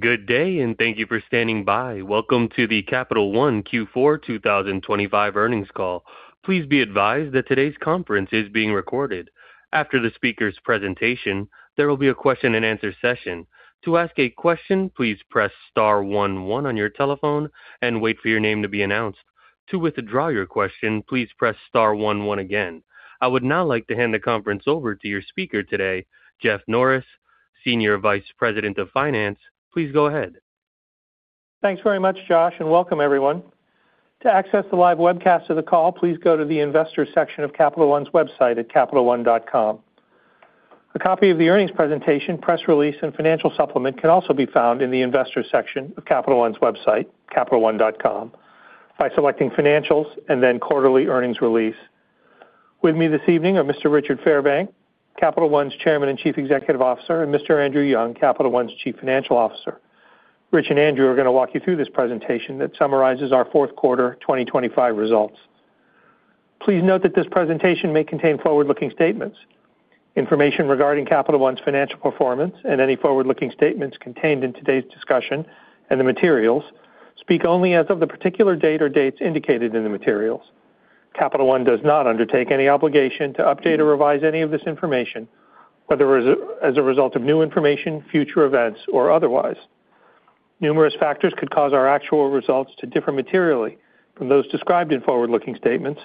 Good day, and thank you for standing by. Welcome to the Capital One Q4 2025 earnings call. Please be advised that today's conference is being recorded. After the speaker's presentation, there will be a question-and-answer session. To ask a question, please press star one-one on your telephone and wait for your name to be announced. To withdraw your question, please press star one-one again. I would now like to hand the conference over to your speaker today, Jeff Norris, Senior Vice President of Finance. Please go ahead. Thanks very much, Josh, and welcome, everyone. To access the live webcast of the call, please go to the investor section of Capital One's website at capitalone.com. A copy of the earnings presentation, press release, and financial supplement can also be found in the investor section of Capital One's website, capitalone.com, by selecting Financials and then Quarterly Earnings Release. With me this evening are Mr. Richard Fairbank, Capital One's Chairman and Chief Executive Officer, and Mr. Andrew Young, Capital One's Chief Financial Officer. Rich and Andrew are going to walk you through this presentation that summarizes our fourth quarter 2025 results. Please note that this presentation may contain forward-looking statements. Information regarding Capital One's financial performance and any forward-looking statements contained in today's discussion and the materials speak only as of the particular date or dates indicated in the materials. Capital One does not undertake any obligation to update or revise any of this information, whether as a result of new information, future events, or otherwise. Numerous factors could cause our actual results to differ materially from those described in forward-looking statements,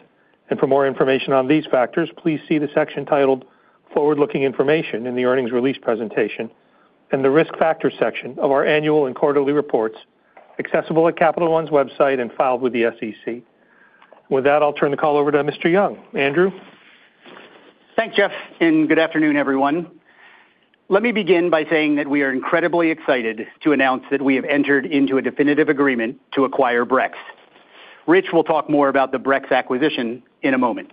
and for more information on these factors, please see the section titled Forward-Looking Information in the earnings release presentation and the Risk Factor Section of our annual and quarterly reports accessible at Capital One's website and filed with the SEC. With that, I'll turn the call over to Mr. Young. Andrew. Thanks, Jeff, and good afternoon, everyone. Let me begin by saying that we are incredibly excited to announce that we have entered into a definitive agreement to acquire Brex. Rich will talk more about the Brex acquisition in a moment.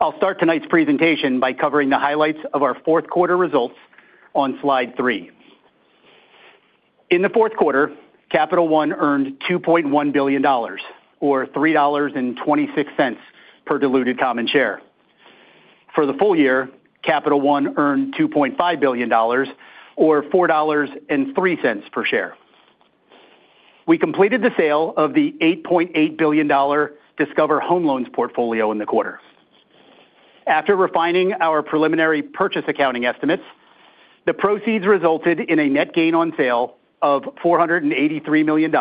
I'll start tonight's presentation by covering the highlights of our fourth quarter results on slide three. In the fourth quarter, Capital One earned $2.1 billion, or $3.26 per diluted common share. For the full year, Capital One earned $2.5 billion, or $4.03 per share. We completed the sale of the $8.8 billion Discover Home Loans portfolio in the quarter. After refining our preliminary purchase accounting estimates, the proceeds resulted in a net gain on sale of $483 million,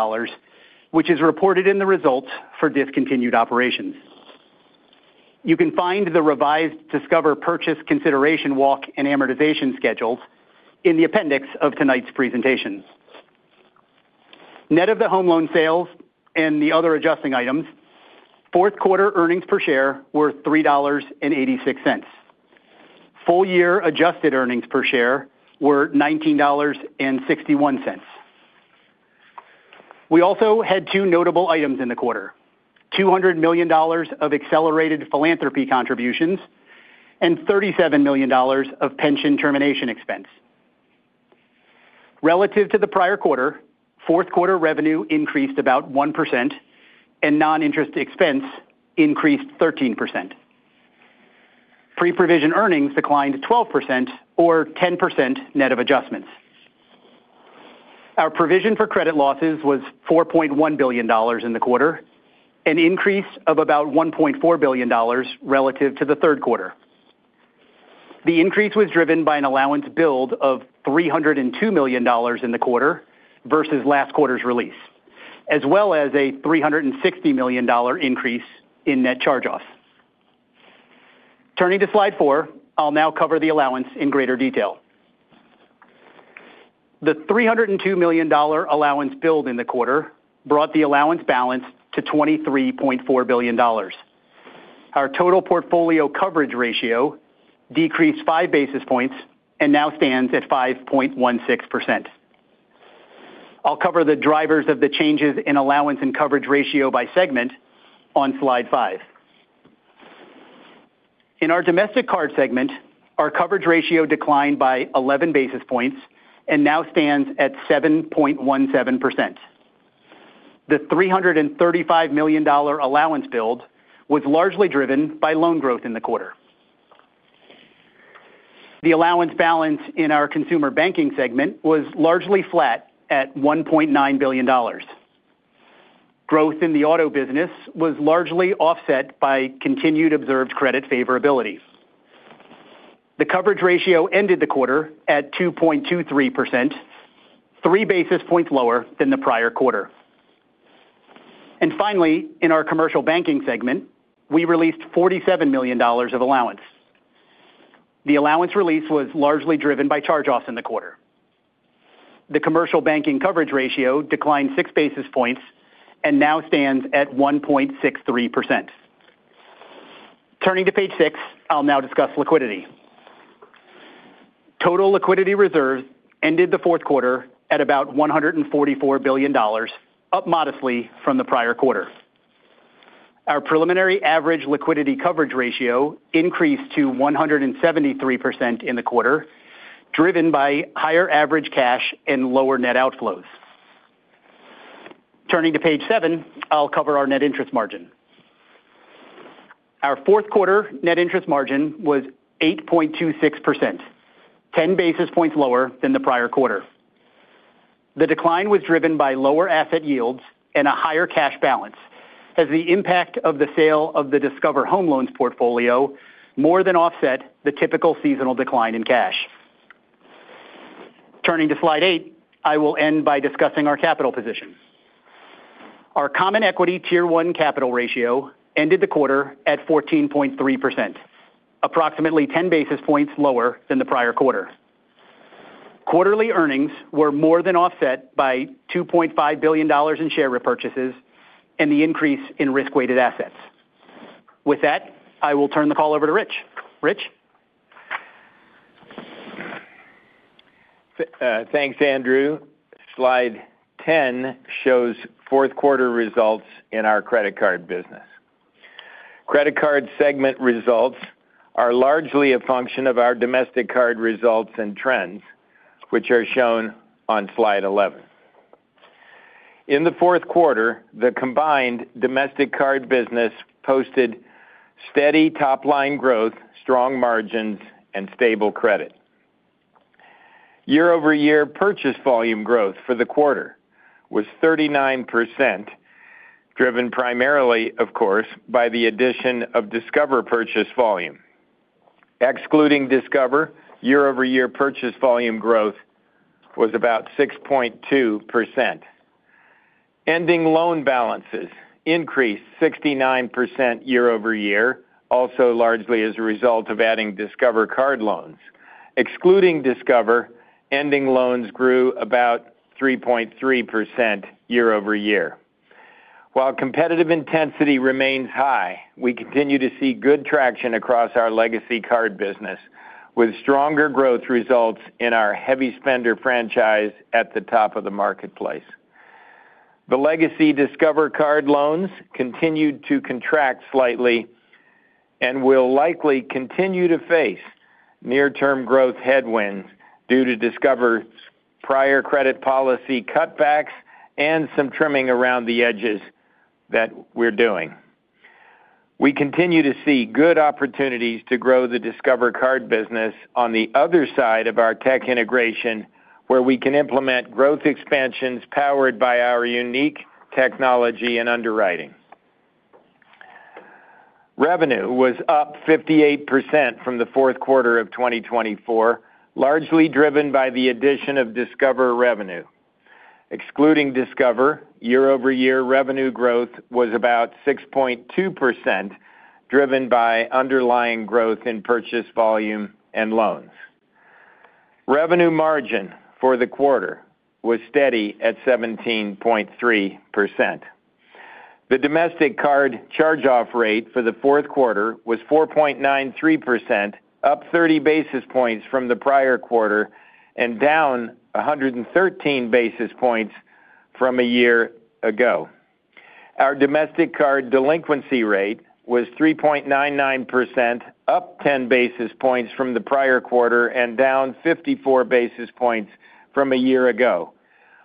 which is reported in the results for discontinued operations. Can find the revised Discover purchase consideration walk and amortization schedules in the appendix of tonight's presentation. Net of the home loan sales and the other adjusting items, fourth quarter earnings per share were $3.86. Full year adjusted earnings per share were $19.61. We also had two notable items in the quarter: $200 million of accelerated philanthropy contributions and $37 million of pension termination expense. Relative to the prior quarter, fourth quarter revenue increased about 1%, and non-interest expense increased 13%. Pre-provision earnings declined 12%, or 10% net of adjustments. Our provision for credit losses was $4.1 billion in the quarter, an increase of about $1.4 billion relative to the third quarter. The increase was driven by an allowance build of $302 million in the quarter versus last quarter's release, as well as a $360 million increase in net charge-off. Turning to slide four, I'll now cover the allowance in greater detail. The $302 million allowance build in the quarter brought the allowance balance to $23.4 billion. Our total portfolio coverage ratio decreased five basis points and now stands at 5.16%. I'll cover the drivers of the changes in allowance and coverage ratio by segment on slide five. In our Domestic Card segment, our coverage ratio declined by 11 basis points and now stands at 7.17%. The $335 million allowance build was largely driven by loan growth in the quarter. The allowance balance in our Consumer Banking segment was largely flat at $1.9 billion. Growth in the auto business was largely offset by continued observed credit favorability. The coverage ratio ended the quarter at 2.23%, three basis points lower than the prior quarter. Finally, in our Commercial Banking segment, we released $47 million of allowance. The allowance release was largely driven by charge-offs in the quarter. The commercial banking coverage ratio declined six basis points and now stands at 1.63%. Turning to page six, I'll now discuss liquidity. Total liquidity reserves ended the fourth quarter at about $144 billion, up modestly from the prior quarter. Our preliminary average liquidity coverage ratio increased to 173% in the quarter, driven by higher average cash and lower net outflows. Turning to page seven, I'll cover our net interest margin. Our fourth quarter net interest margin was 8.26%, ten basis points lower than the prior quarter. The decline was driven by lower asset yields and a higher cash balance, as the impact of the sale of the Discover Home Loans portfolio more than offset the typical seasonal decline in cash. Turning to slide eight, I will end by discussing our capital position. Our Common Equity tier 1 capital ratio ended the quarter at 14.3%, approximately ten basis points lower than the prior quarter. Quarterly earnings were more than offset by $2.5 billion in share repurchases and the increase in risk-weighted assets. With that, I will turn the call over to Rich. Rich. Thanks, Andrew. Slide ten shows fourth quarter results in our credit card business. Credit card segment results are largely a function of our domestic card results and trends, which are shown on slide eleven. In the fourth quarter, the combined domestic card business posted steady top-line growth, strong margins, and stable credit. Year-over-year purchase volume growth for the quarter was 39%, driven primarily, of course, by the addition of Discover purchase volume. Excluding Discover, year-over-year purchase volume growth was about 6.2%. Ending loan balances increased 69% year-over-year, also largely as a result of adding Discover card loans. Excluding Discover, ending loans grew about 3.3% year-over-year. While competitive intensity remains high, we continue to see good traction across our legacy card business, with stronger growth results in our heavy spender franchise at the top of the marketplace. The legacy Discover card loans continued to contract slightly and will likely continue to face near-term growth headwinds due to Discover's prior credit policy cutbacks and some trimming around the edges that we're doing. We continue to see good opportunities to grow the Discover card business on the other side of our tech integration, where we can implement growth expansions powered by our unique technology and underwriting. Revenue was up 58% from the fourth quarter of 2024, largely driven by the addition of Discover revenue. Excluding Discover, year-over-year revenue growth was about 6.2%, driven by underlying growth in purchase volume and loans. Revenue margin for the quarter was steady at 17.3%. The domestic card charge-off rate for the fourth quarter was 4.93%, up 30 basis points from the prior quarter and down 113 basis points from a year ago. Our domestic card delinquency rate was 3.99%, up 10 basis points from the prior quarter and down 54 basis points from a year ago.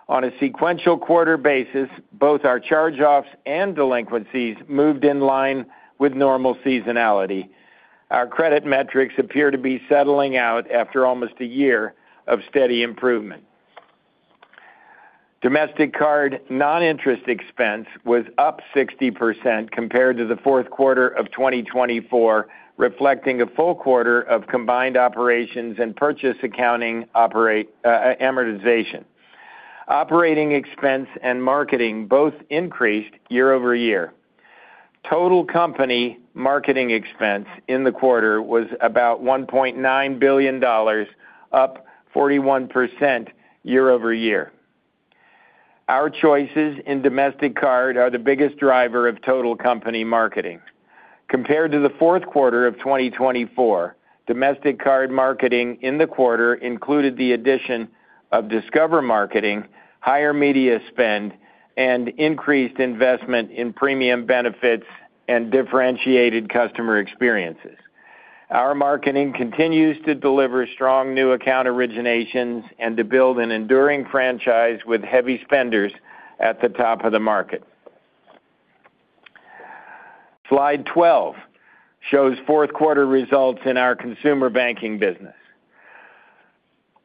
On a sequential quarter basis, both our charge-offs and delinquencies moved in line with normal seasonality. Our credit metrics appear to be settling out after almost a year of steady improvement. Domestic card non-interest expense was up 60% compared to the fourth quarter of 2024, reflecting a full quarter of combined operations and purchase accounting amortization. Operating expense and marketing both increased year-over-year. Total company marketing expense in the quarter was about $1.9 billion, up 41% year-over-year. Our choices in domestic card are the biggest driver of total company marketing. Compared to the fourth quarter of 2024, domestic card marketing in the quarter included the addition of Discover marketing, higher media spend, and increased investment in premium benefits and differentiated customer experiences. Our marketing continues to deliver strong new account originations and to build an enduring franchise with heavy spenders at the top of the market. Slide twelve shows fourth quarter results in our consumer banking business.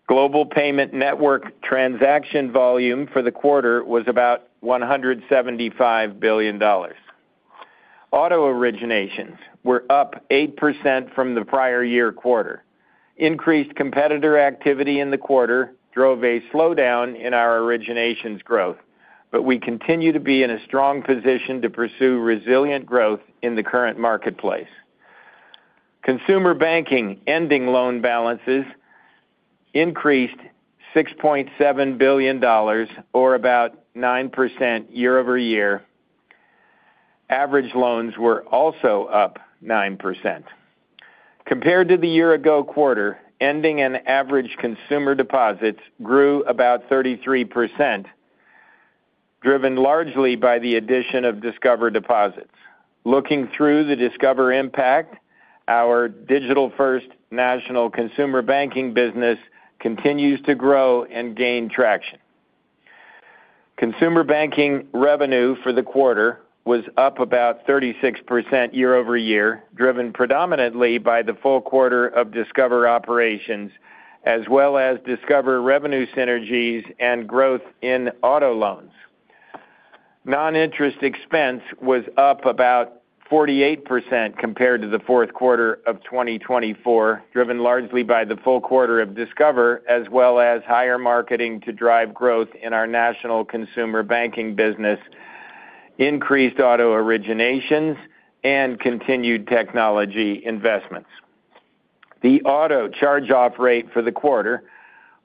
Global payment network transaction volume for the quarter was about $175 billion. Auto originations were up 8% from the prior year quarter. Increased competitor activity in the quarter drove a slowdown in our originations growth, but we continue to be in a strong position to pursue resilient growth in the current marketplace. Consumer banking ending loan balances increased $6.7 billion, or about 9% year-over-year. Average loans were also up 9%. Compared to the year-ago quarter, ending and average consumer deposits grew about 33%, driven largely by the addition of Discover deposits. Looking through the Discover impact, our digital-first national consumer banking business continues to grow and gain traction. Consumer banking revenue for the quarter was up about 36% year-over-year, driven predominantly by the full quarter of Discover operations, as well as Discover revenue synergies and growth in auto loans. Non-interest expense was up about 48% compared to the fourth quarter of 2024, driven largely by the full quarter of Discover, as well as higher marketing to drive growth in our national consumer banking business, increased auto originations, and continued technology investments. The auto charge-off rate for the quarter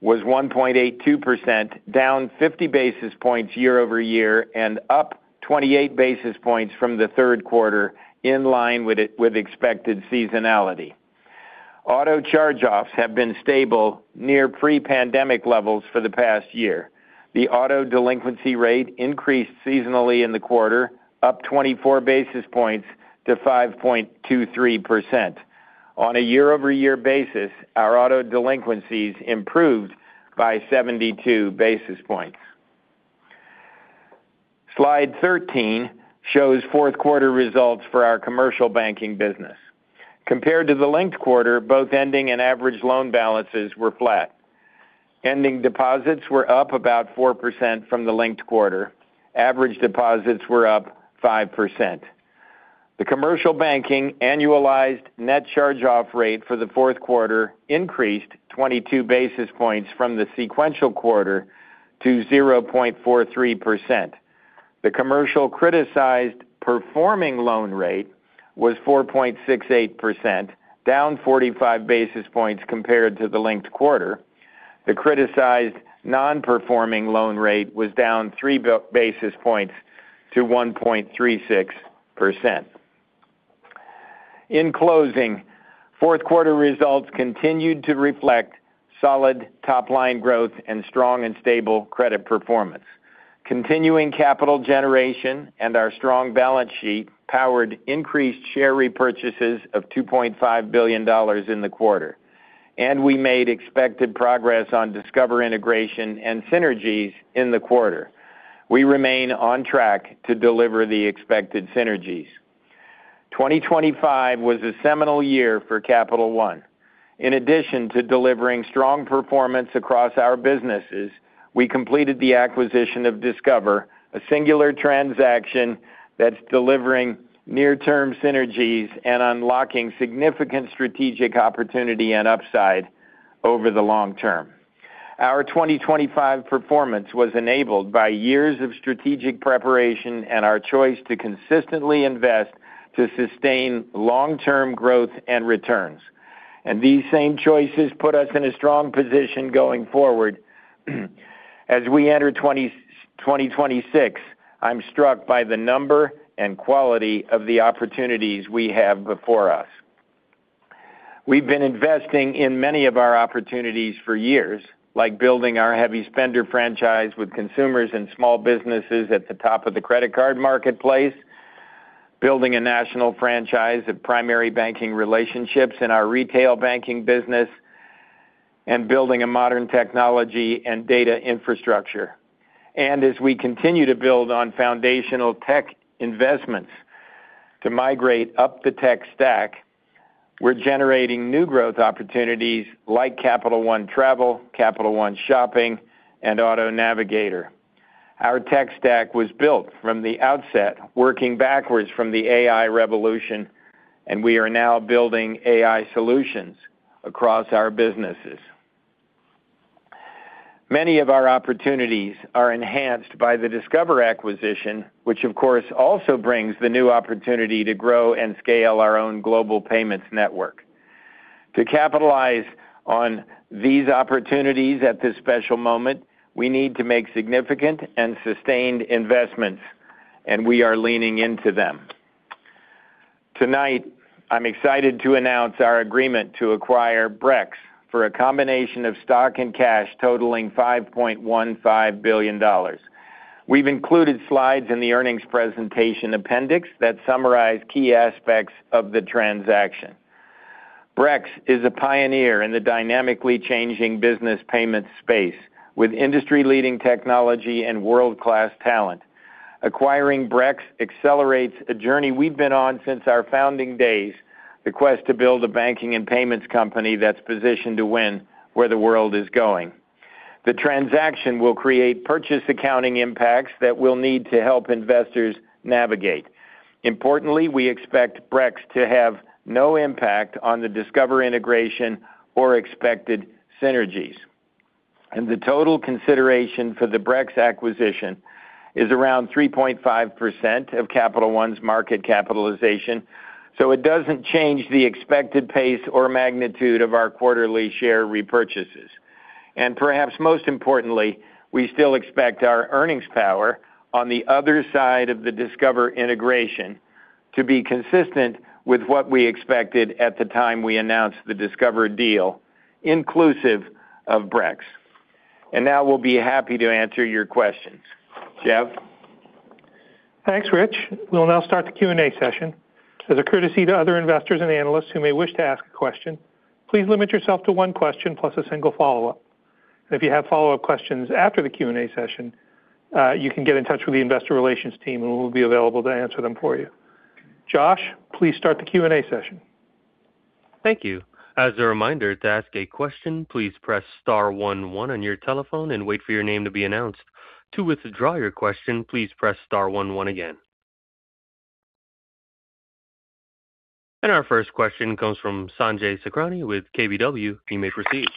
was 1.82%, down 50 basis points year-over-year and up 28 basis points from the third quarter, in line with expected seasonality. Auto charge-offs have been stable near pre-pandemic levels for the past year. The auto delinquency rate increased seasonally in the quarter, up 24 basis points to 5.23%. On a year-over-year basis, our auto delinquencies improved by 72 basis points. Slide 13 shows fourth quarter results for our commercial banking business. Compared to the linked quarter, both ending and average loan balances were flat. Ending deposits were up about 4% from the linked quarter. Average deposits were up 5%. The commercial banking annualized net charge-off rate for the fourth quarter increased 22 basis points from the sequential quarter to 0.43%. The commercial criticized performing loan rate was 4.68%, down 45 basis points compared to the linked quarter. The criticized non-performing loan rate was down three basis points to 1.36%. In closing, fourth quarter results continued to reflect solid top-line growth and strong and stable credit performance. Continuing capital generation and our strong balance sheet powered increased share repurchases of $2.5 billion in the quarter, and we made expected progress on Discover integration and synergies in the quarter. We remain on track to deliver the expected synergies. 2025 was a seminal year for Capital One. In addition to delivering strong performance across our businesses, we completed the acquisition of Discover, a singular transaction that's delivering near-term synergies and unlocking significant strategic opportunity and upside over the long term. Our 2025 performance was enabled by years of strategic preparation and our choice to consistently invest to sustain long-term growth and returns, and these same choices put us in a strong position going forward. As we enter 2026, I'm struck by the number and quality of the opportunities we have before us. We've been investing in many of our opportunities for years, like building our heavy spender franchise with consumers and small businesses at the top of the credit card marketplace, building a national franchise of primary banking relationships in our retail banking business, and building a modern technology and data infrastructure. As we continue to build on foundational tech investments to migrate up the tech stack, we're generating new growth opportunities like Capital One Travel, Capital One Shopping, and Auto Navigator. Our tech stack was built from the outset, working backwards from the AI revolution, and we are now building AI solutions across our businesses. Many of our opportunities are enhanced by the Discover acquisition, which, of course, also brings the new opportunity to grow and scale our own global payments network. To capitalize on these opportunities at this special moment, we need to make significant and sustained investments, and we are leaning into them. Tonight, I'm excited to announce our agreement to acquire Brex for a combination of stock and cash totaling $5.15 billion. We've included slides in the earnings presentation appendix that summarize key aspects of the transaction. Brex is a pioneer in the dynamically changing business payments space, with industry-leading technology and world-class talent. Acquiring Brex accelerates a journey we've been on since our founding days, the quest to build a banking and payments company that's positioned to win where the world is going. The transaction will create purchase accounting impacts that we'll need to help investors navigate. Importantly, we expect Brex to have no impact on the Discover integration or expected synergies. The total consideration for the Brex acquisition is around 3.5% of Capital One's market capitalization, so it doesn't change the expected pace or magnitude of our quarterly share repurchases. And perhaps most importantly, we still expect our earnings power on the other side of the Discover integration to be consistent with what we expected at the time we announced the Discover deal, inclusive of Brex. Now we'll be happy to answer your questions. Jeff? Thanks, Rich. We'll now start the Q&A session. As a courtesy to other investors and analysts who may wish to ask a question, please limit yourself to one question plus a single follow-up. And if you have follow-up questions after the Q&A session, you can get in touch with the investor relations team, and we'll be available to answer them for you. Josh, please start the Q&A session. Thank you. As a reminder, to ask a question, please press star 11 on your telephone and wait for your name to be announced. To withdraw your question, please press star 11 again. Our first question comes from Sanjay Sakhrani with KBW. You may proceed.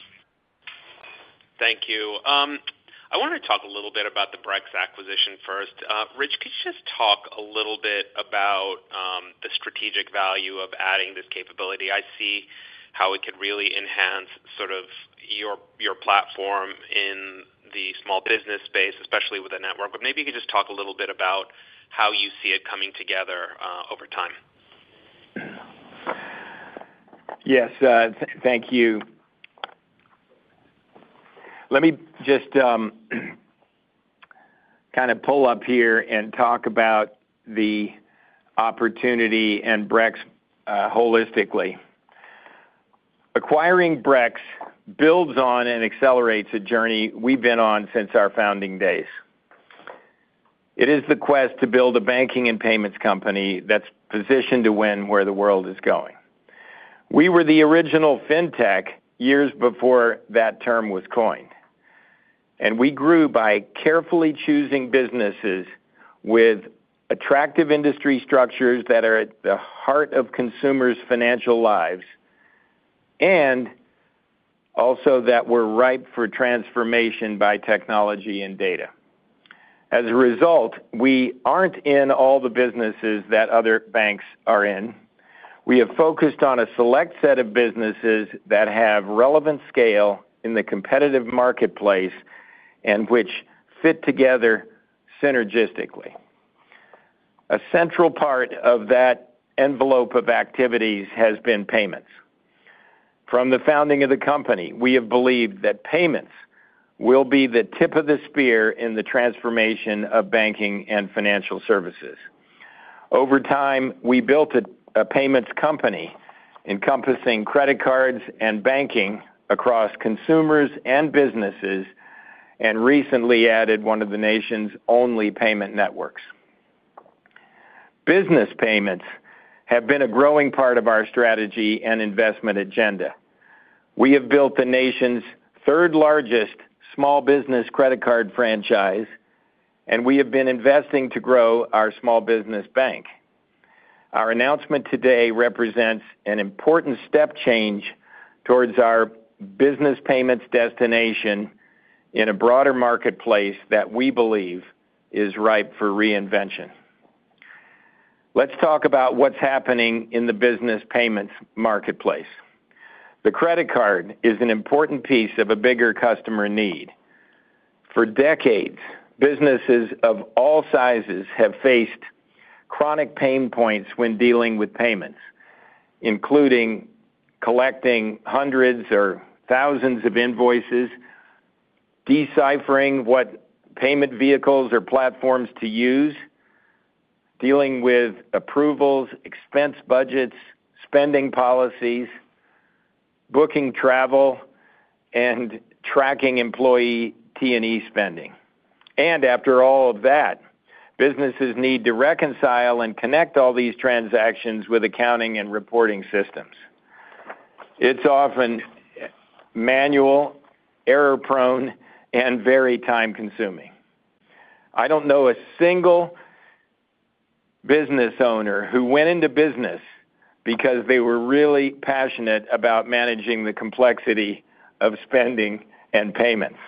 Thank you. I want to talk a little bit about the Brex acquisition first. Rich, could you just talk a little bit about the strategic value of adding this capability? I see how it could really enhance your platform in the small business space, especially with a network. Maybe you could just talk a little bit about how you see it coming together over time. Yes, thank you. Let me just pull up here and talk about the opportunity and Brex holistically. Acquiring Brex builds on and accelerates a journey we've been on since our founding days. It is the quest to build a banking and payments company that's positioned to win where the world is going. We were the original fintech years before that term was coined, and we grew by carefully choosing businesses with attractive industry structures that are at the heart of consumers' financial lives and also that were ripe for transformation by technology and data. As a result, we aren't in all the businesses that other banks are in. We have focused on a select set of businesses that have relevant scale in the competitive marketplace and which fit together synergistically. A central part of that envelope of activities has been payments. From the founding of the company, we have believed that payments will be the tip of the spear in the transformation of banking and financial services. Over time, we built a payments company encompassing credit cards and banking across consumers and businesses, and recently added one of the nation's only payment networks. Business payments have been a growing part of our strategy and investment agenda. We have built the nation's third-largest small business credit card franchise, and we have been investing to grow our small business bank. Our announcement today represents an important step change towards our business payments destination in a broader marketplace that we believe is ripe for reinvention. Let's talk about what's happening in the business payments marketplace. The credit card is an important piece of a bigger customer need. For decades, businesses of all sizes have faced chronic pain points when dealing with payments, including collecting hundreds or thousands of invoices, deciphering what payment vehicles or platforms to use, dealing with approvals, expense budgets, spending policies, booking travel, and tracking employee T&E spending. And after all of that, businesses need to reconcile and connect all these transactions with accounting and reporting systems. It's often manual, error-prone, and very time-consuming. I don't know a single business owner who went into business because they were really passionate about managing the complexity of spending and payments.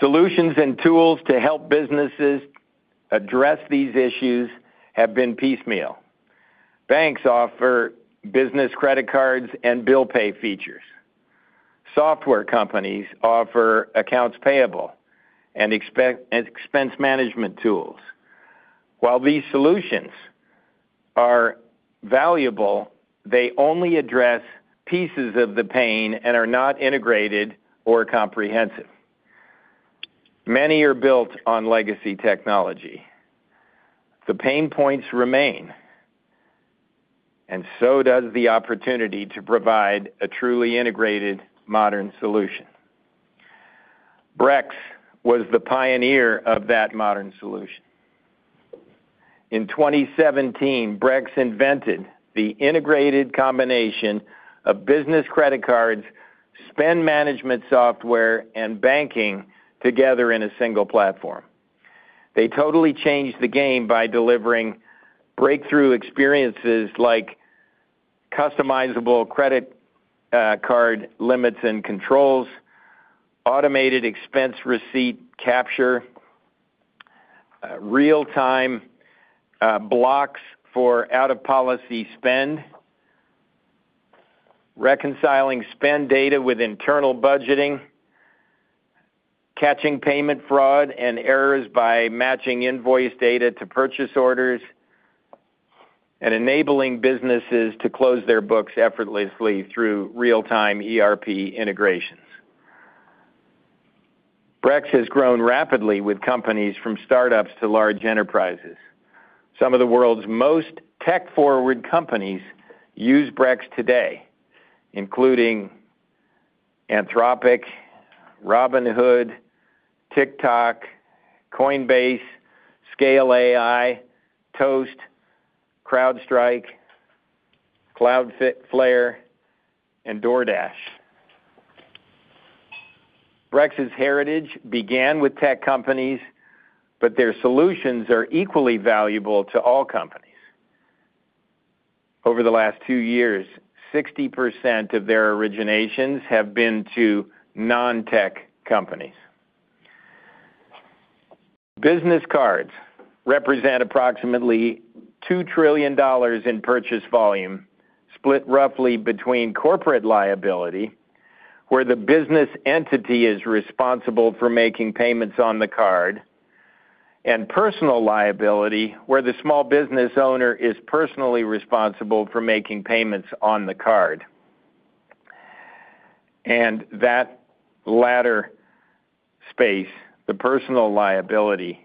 Solutions and tools to help businesses address these issues have been piecemeal. Banks offer business credit cards and bill pay features. Software companies offer accounts payable and expense management tools. While these solutions are valuable, they only address pieces of the pain and are not integrated or comprehensive. Many are built on legacy technology. The pain points remain, and so does the opportunity to provide a truly integrated modern solution. Brex was the pioneer of that modern solution. In 2017, Brex invented the integrated combination of business credit cards, spend management software, and banking together in a single platform. They totally changed the game by delivering breakthrough experiences like customizable credit card limits and controls, automated expense receipt capture, real-time blocks for out-of-policy spend, reconciling spend data with internal budgeting, catching payment fraud and errors by matching invoice data to purchase orders, and enabling businesses to close their books effortlessly through real-time ERP integrations. Brex has grown rapidly with companies from startups to large enterprises. Some of the world's most tech-forward companies use Brex today, including Anthropic, Robinhood, TikTok, Coinbase, Scale AI, Toast, CrowdStrike, Cloudflare, and DoorDash. Brex's heritage began with tech companies, but their solutions are equally valuable to all companies. Over the last two years, 60% of their originations have been to non-tech companies. Business cards represent approximately $2 trillion in purchase volume, split roughly between corporate liability, where the business entity is responsible for making payments on the card, and personal liability, where the small business owner is personally responsible for making payments on the card. And that latter space, the personal liability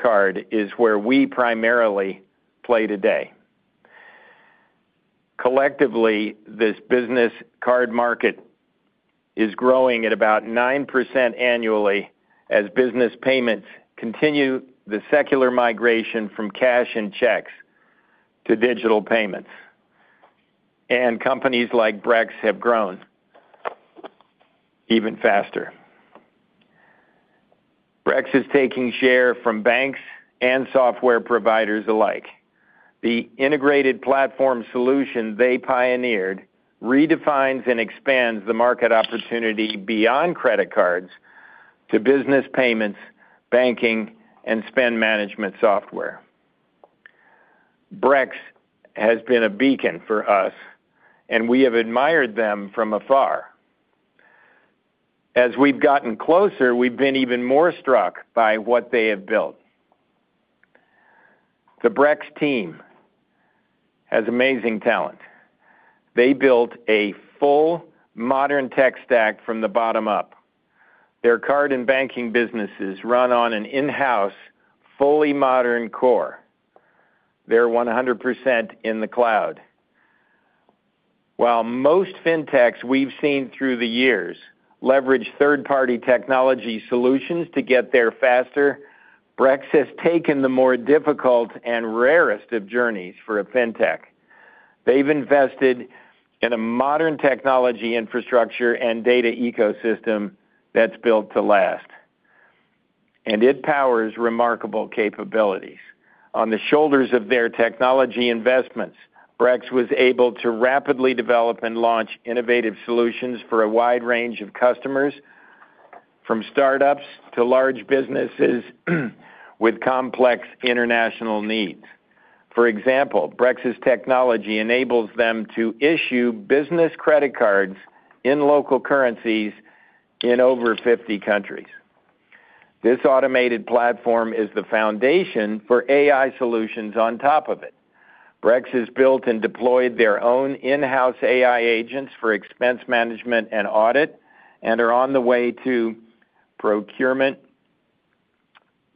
card, is where we primarily play today. Collectively, this business card market is growing at about 9% annually as business payments continue the secular migration from cash and checks to digital payments. Companies like Brex have grown even faster. Brex is taking share from banks and software providers alike. The integrated platform solution they pioneered redefines and expands the market opportunity beyond credit cards to business payments, banking, and spend management software. Brex has been a beacon for us, and we have admired them from afar. As we've gotten closer, we've been even more struck by what they have built. The Brex team has amazing talent. They built a full modern tech stack from the bottom up. Their card and banking businesses run on an in-house fully modern core. They're 100% in the cloud. While most fintechs we've seen through the years leverage third-party technology solutions to get there faster, Brex has taken the more difficult and rarest of journeys for a fintech. They've invested in a modern technology infrastructure and data ecosystem that's built to last, and it powers remarkable capabilities. On the shoulders of their technology investments, Brex was able to rapidly develop and launch innovative solutions for a wide range of customers, from startups to large businesses with complex international needs. For example, Brex's technology enables them to issue business credit cards in local currencies in over 50 countries. This automated platform is the foundation for AI solutions on top of it. Brex has built and deployed their own in-house AI agents for expense management and audit and are on the way to procurement,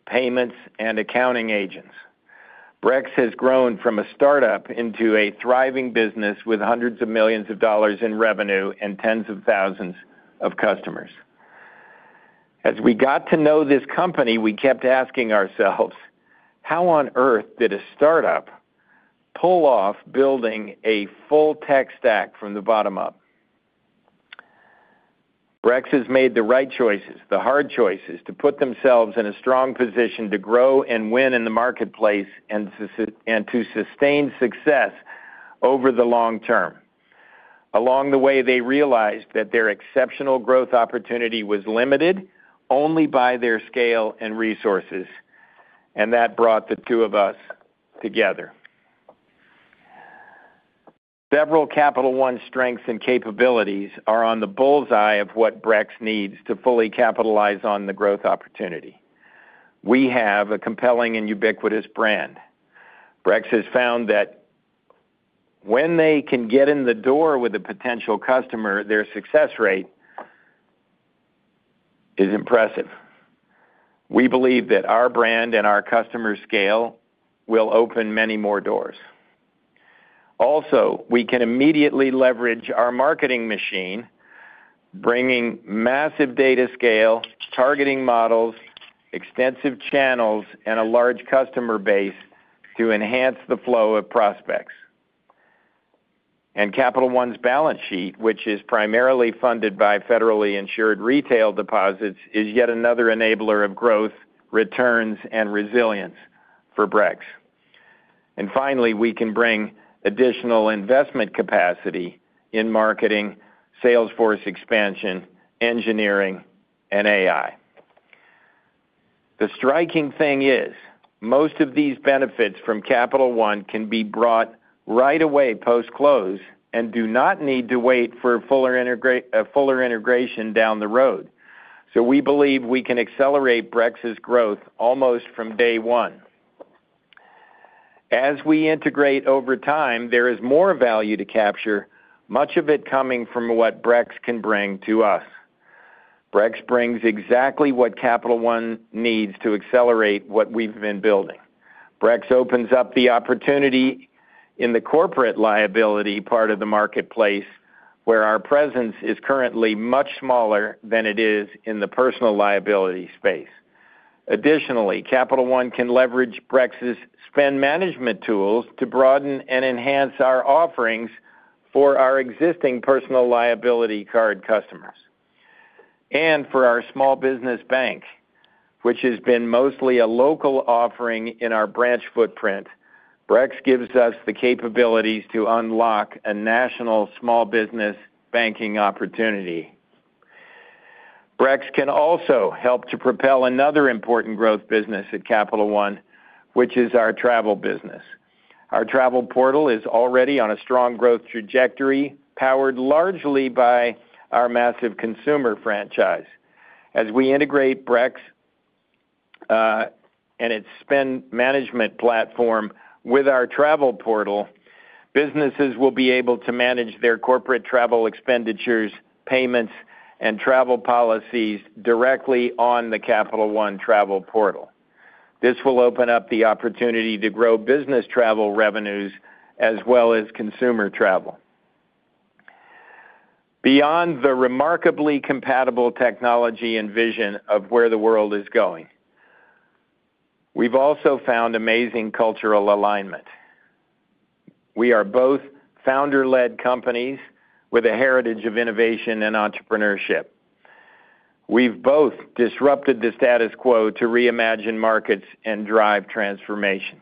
payments, and accounting agents. Brex has grown from a startup into a thriving business with hundreds of millions of dollars in revenue and tens of thousands of customers. As we got to know this company, we kept asking ourselves, "How on earth did a startup pull off building a full tech stack from the bottom up?" Brex has made the right choices, the hard choices, to put themselves in a strong position to grow and win in the marketplace and to sustain success over the long term. Along the way, they realized that their exceptional growth opportunity was limited only by their scale and resources, and that brought the two of us together. Several Capital One strengths and capabilities are on the bull's eye of what Brex needs to fully capitalize on the growth opportunity. We have a compelling and ubiquitous brand. Brex has found that when they can get in the door with a potential customer, their success rate is impressive. We believe that our brand and our customer scale will open many more doors. Also, we can immediately leverage our marketing machine, bringing massive data scale, targeting models, extensive channels, and a large customer base to enhance the flow of prospects. And Capital One's balance sheet, which is primarily funded by federally insured retail deposits, is yet another enabler of growth, returns, and resilience for Brex. And finally, we can bring additional investment capacity in marketing, salesforce expansion, engineering, and AI. The striking thing is most of these benefits from Capital One can be brought right away post-close and do not need to wait for fuller integration down the road. We believe we can accelerate Brex's growth almost from day one. As we integrate over time, there is more value to capture, much of it coming from what Brex can bring to us. Brex brings exactly what Capital One needs to accelerate what we've been building. Brex opens up the opportunity in the corporate liability part of the marketplace where our presence is currently much smaller than it is in the personal liability space. Additionally, Capital One can leverage Brex's spend management tools to broaden and enhance our offerings for our existing personal liability card customers. For our small business bank, which has been mostly a local offering in our branch footprint, Brex gives us the capabilities to unlock a national small business banking opportunity. Brex can also help to propel another important growth business at Capital One, which is our travel business. Our travel portal is already on a strong growth trajectory, powered largely by our massive consumer franchise. As we integrate Brex and its spend management platform with our travel portal, businesses will be able to manage their corporate travel expenditures, payments, and travel policies directly on the Capital One travel portal. This will open up the opportunity to grow business travel revenues as well as consumer travel. Beyond the remarkably compatible technology and vision of where the world is going, we've also found amazing cultural alignment. We are both founder-led companies with a heritage of innovation and entrepreneurship. We've both disrupted the status quo to reimagine markets and drive transformation,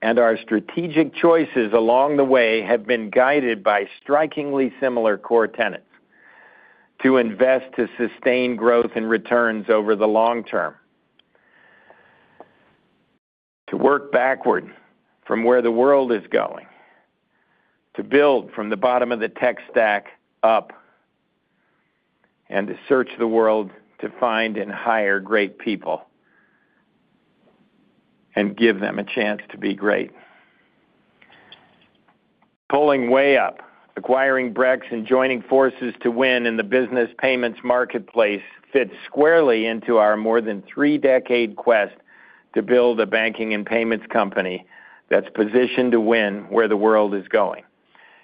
and our strategic choices along the way have been guided by strikingly similar core tenets: to invest to sustain growth and returns over the long term, to work backward from where the world is going, to build from the bottom of the tech stack up, and to search the world to find and hire great people and give them a chance to be great. Pulling way up, acquiring Brex and joining forces to win in the business payments marketplace fits squarely into our more than three-decade quest to build a banking and payments company that's positioned to win where the world is going.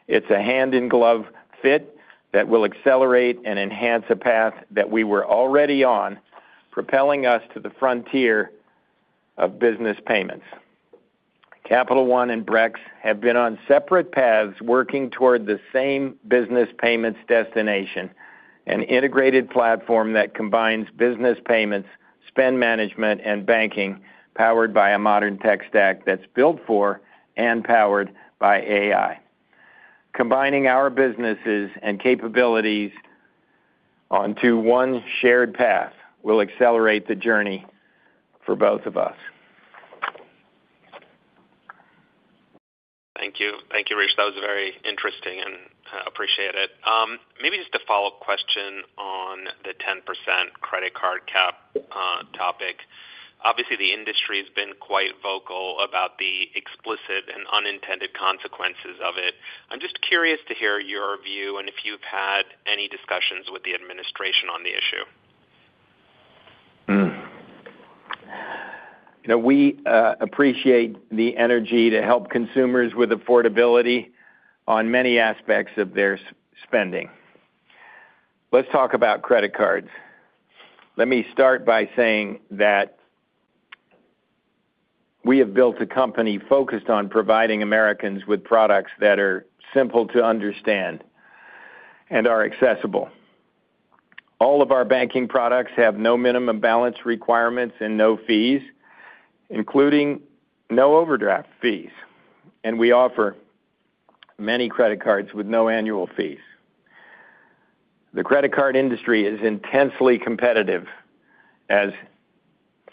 It's a hand-in-glove fit that will accelerate and enhance a path that we were already on, propelling us to the frontier of business payments. Capital One and Brex have been on separate paths working toward the same business payments destination, an integrated platform that combines business payments, spend management, and banking powered by a modern tech stack that's built for and powered by AI. Combining our businesses and capabilities onto one shared path will accelerate the journey for both of us. Thank you. Thank you, Rich. That was very interesting, and I appreciate it. Maybe just a follow-up question on the 10% credit card cap topic. Obviously, the industry has been quite vocal about the explicit and unintended consequences of it. I'm just curious to hear your view and if you've had any discussions with the administration on the issue. We appreciate the energy to help consumers with affordability on many aspects of their spending. Let's talk about credit cards. Let me start by saying that we have built a company focused on providing Americans with products that are simple to understand and are accessible. All of our banking products have no minimum balance requirements and no fees, including no overdraft fees, and we offer many credit cards with no annual fees. The credit card industry is intensely competitive as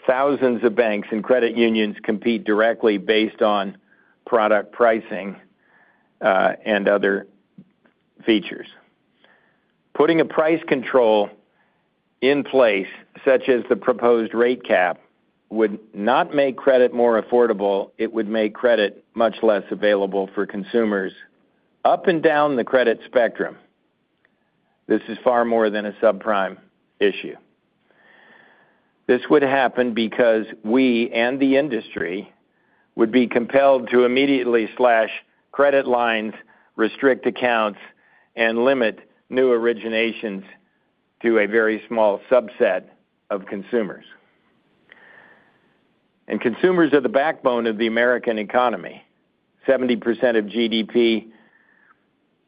thousands of banks and credit unions compete directly based on product pricing and other features. Putting a price control in place, such as the proposed rate cap, would not make credit more affordable. It would make credit much less available for consumers up and down the credit spectrum. This is far more than a subprime issue. This would happen because we and the industry would be compelled to immediately slash credit lines, restrict accounts, and limit new originations to a very small subset of consumers. Consumers are the backbone of the American economy. 70% of GDP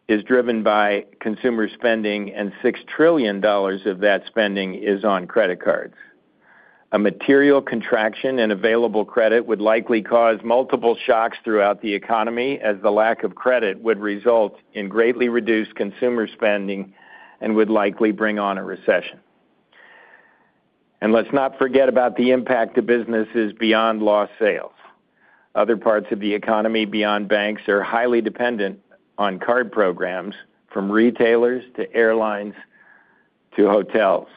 is driven by consumer spending, and $6 trillion of that spending is on credit cards. A material contraction in available credit would likely cause multiple shocks throughout the economy, as the lack of credit would result in greatly reduced consumer spending and would likely bring on a recession. Let's not forget about the impact of businesses beyond lost sales. Other parts of the economy beyond banks are highly dependent on card programs, from retailers to airlines to hotels.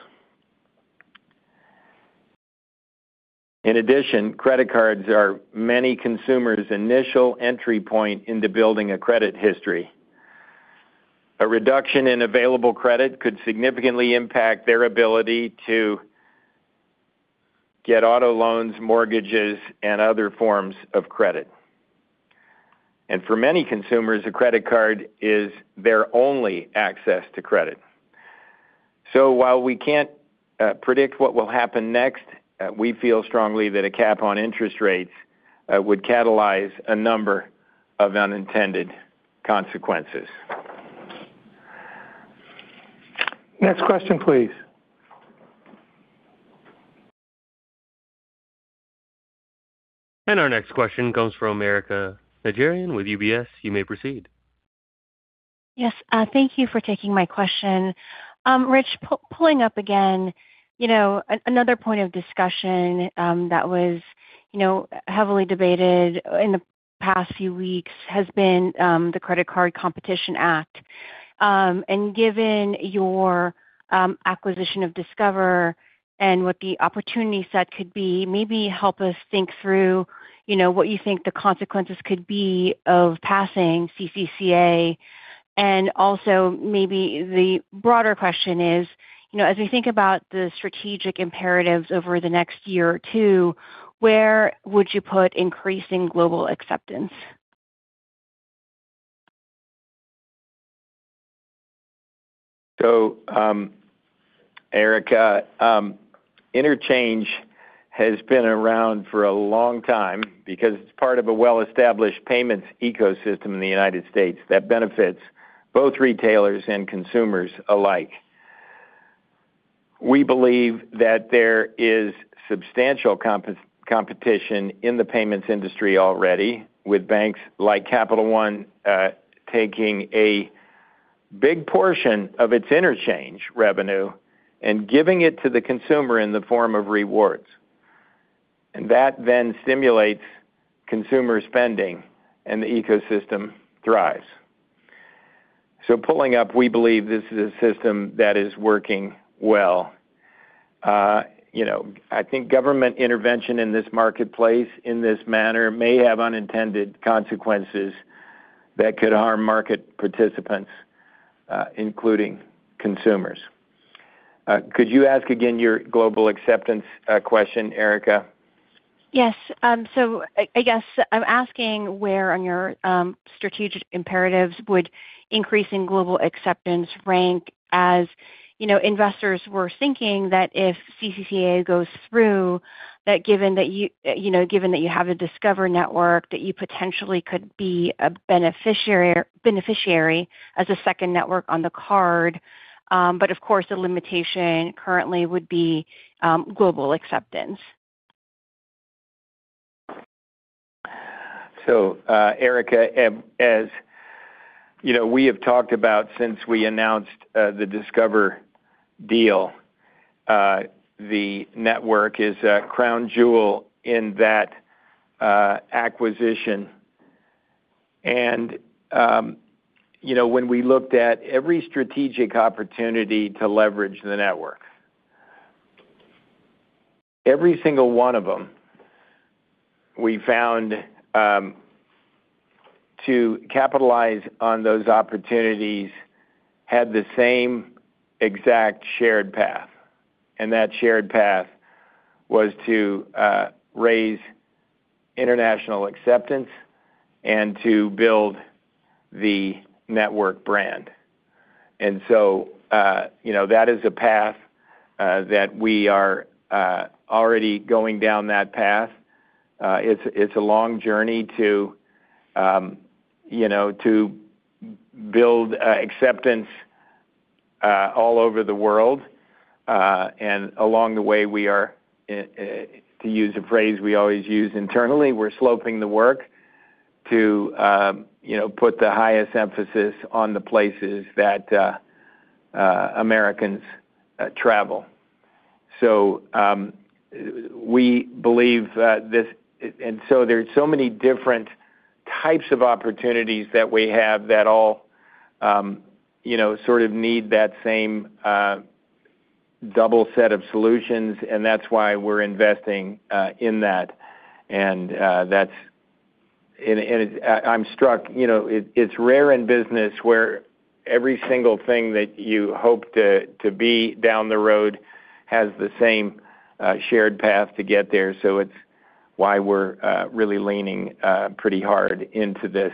In addition, credit cards are many consumers' initial entry point into building a credit history. A reduction in available credit could significantly impact their ability to get auto loans, mortgages, and other forms of credit. For many consumers, a credit card is their only access to credit. While we can't predict what will happen next, we feel strongly that a cap on interest rates would catalyze a number of unintended consequences. Next question, please. Our next question comes from Erica Najarian with UBS. You may proceed. Yes. Thank you for taking my question. Rich, pulling up again, another point of discussion that was heavily debated in the past few weeks has been the Credit Card Competition Act. And given your acquisition of Discover and what the opportunity set could be, maybe help us think through what you think the consequences could be of passing CCCA. And also, maybe the broader question is, as we think about the strategic imperatives over the next year or two, where would you put increasing global acceptance? Erica, interchange has been around for a long time because it's part of a well-established payments ecosystem in the United States that benefits both retailers and consumers alike. We believe that there is substantial competition in the payments industry already, with banks like Capital One taking a big portion of its interchange revenue and giving it to the consumer in the form of rewards. And that then stimulates consumer spending, and the ecosystem thrives. Pulling up, we believe this is a system that is working well. I think government intervention in this marketplace in this manner may have unintended consequences that could harm market participants, including consumers. Could you ask again your global acceptance question, Erica? Yes. I guess I'm asking where on your strategic imperatives would increasing global acceptance rank as investors were thinking that if CCCA goes through, that given that you have a Discover Network, that you potentially could be a beneficiary as a second network on the card. The limitation currently would be global acceptance. Erica, as we have talked about since we announced the Discover deal, the network is a crown jewel in that acquisition. And when we looked at every strategic opportunity to leverage the network, every single one of them we found to capitalize on those opportunities had the same exact shared path. And that shared path was to raise international acceptance and to build the network brand. And so that is a path that we are already going down that path. It's a long journey to build acceptance all over the world. Along the way, we are, to use a phrase we always use internally, we're sloping the work to put the highest emphasis on the places that Americans travel. So we believe this and so there are so many different types of opportunities that we have that all need that same double set of solutions. And that's why we're investing in that. I'm struck. It's rare in business where every single thing that you hope to be down the road has the same shared path to get there. It's why we're really leaning pretty hard into this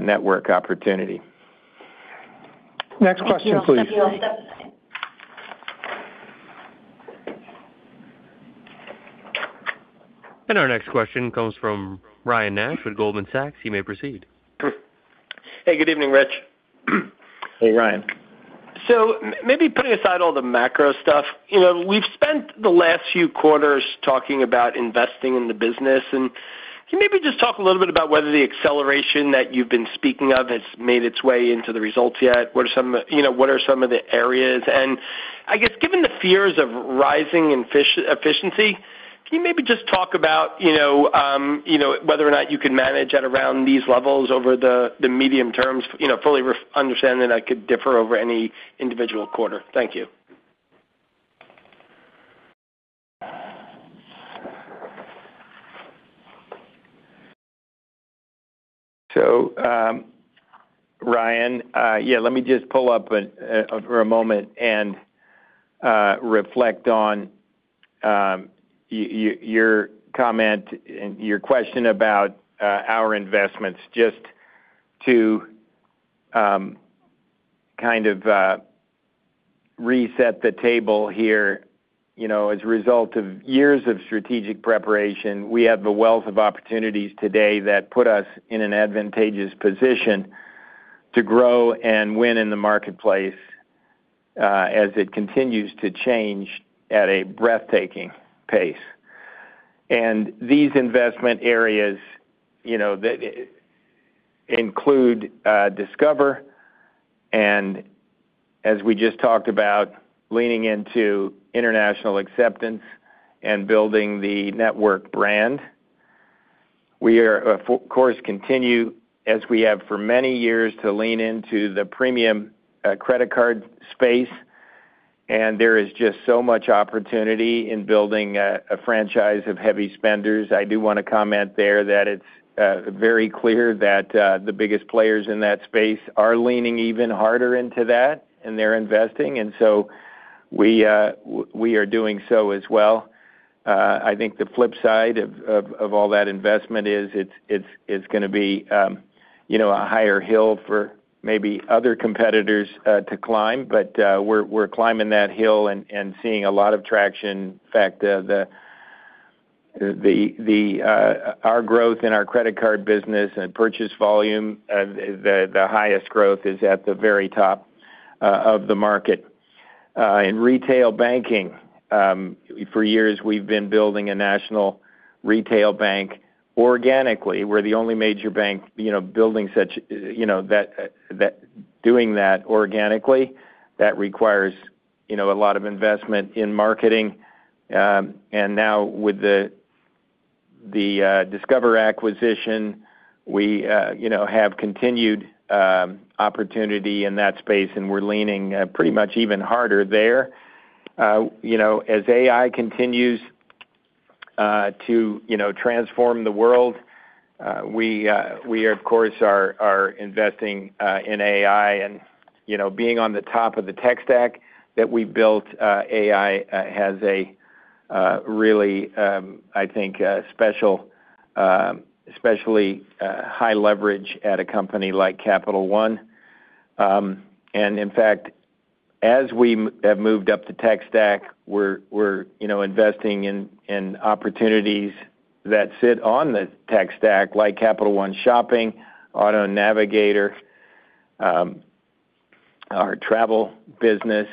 network opportunity. Next question, please. Our next question comes from Ryan Nash with Goldman Sachs. You may proceed. Hey, good evening, Rich. Hey, Ryan. Maybe putting aside all the macro stuff, we've spent the last few quarters talking about investing in the business. Can you maybe just talk a little bit about whether the acceleration that you've been speaking of has made its way into the results yet? What are some of the areas? I guess, given the fears of rising expenses, can you maybe just talk about whether or not you can manage at around these levels over the medium term, fully understanding that could differ over any individual quarter? Thank you. Ryan, yeah, let me just pause for a moment and reflect on your comment and your question about our investments, just to set the table here. As a result of years of strategic preparation, we have a wealth of opportunities today that put us in an advantageous position to grow and win in the marketplace as it continues to change at a breathtaking pace. These investment areas include Discover and, as we just talked about, leaning into international acceptance and building the network brand. We, of course, continue as we have for many years to lean into the premium credit card space. There is just so much opportunity in building a franchise of heavy spenders. I do want to comment there that it's very clear that the biggest players in that space are leaning even harder into that, and they're investing. And so we are doing so as well. I think the flip side of all that investment is it's going to be a higher hill for maybe other competitors to climb. We're climbing that hill and seeing a lot of traction. In fact, our growth in our credit card business and purchase volume, the highest growth is at the very top of the market. In retail banking, for years, we've been building a national retail bank organically. We're the only major bank building such that doing that organically. That requires a lot of investment in marketing. Now, with the Discover acquisition, we have continued opportunity in that space, and we're leaning pretty much even harder there. As AI continues to transform the world, we, of course, are investing in AI. Being on the top of the tech stack that we built, AI has a really, I think, special, especially high leverage at a company like Capital One. In fact, as we have moved up the tech stack, we're investing in opportunities that sit on the tech stack like Capital One Shopping, Auto Navigator, our travel business.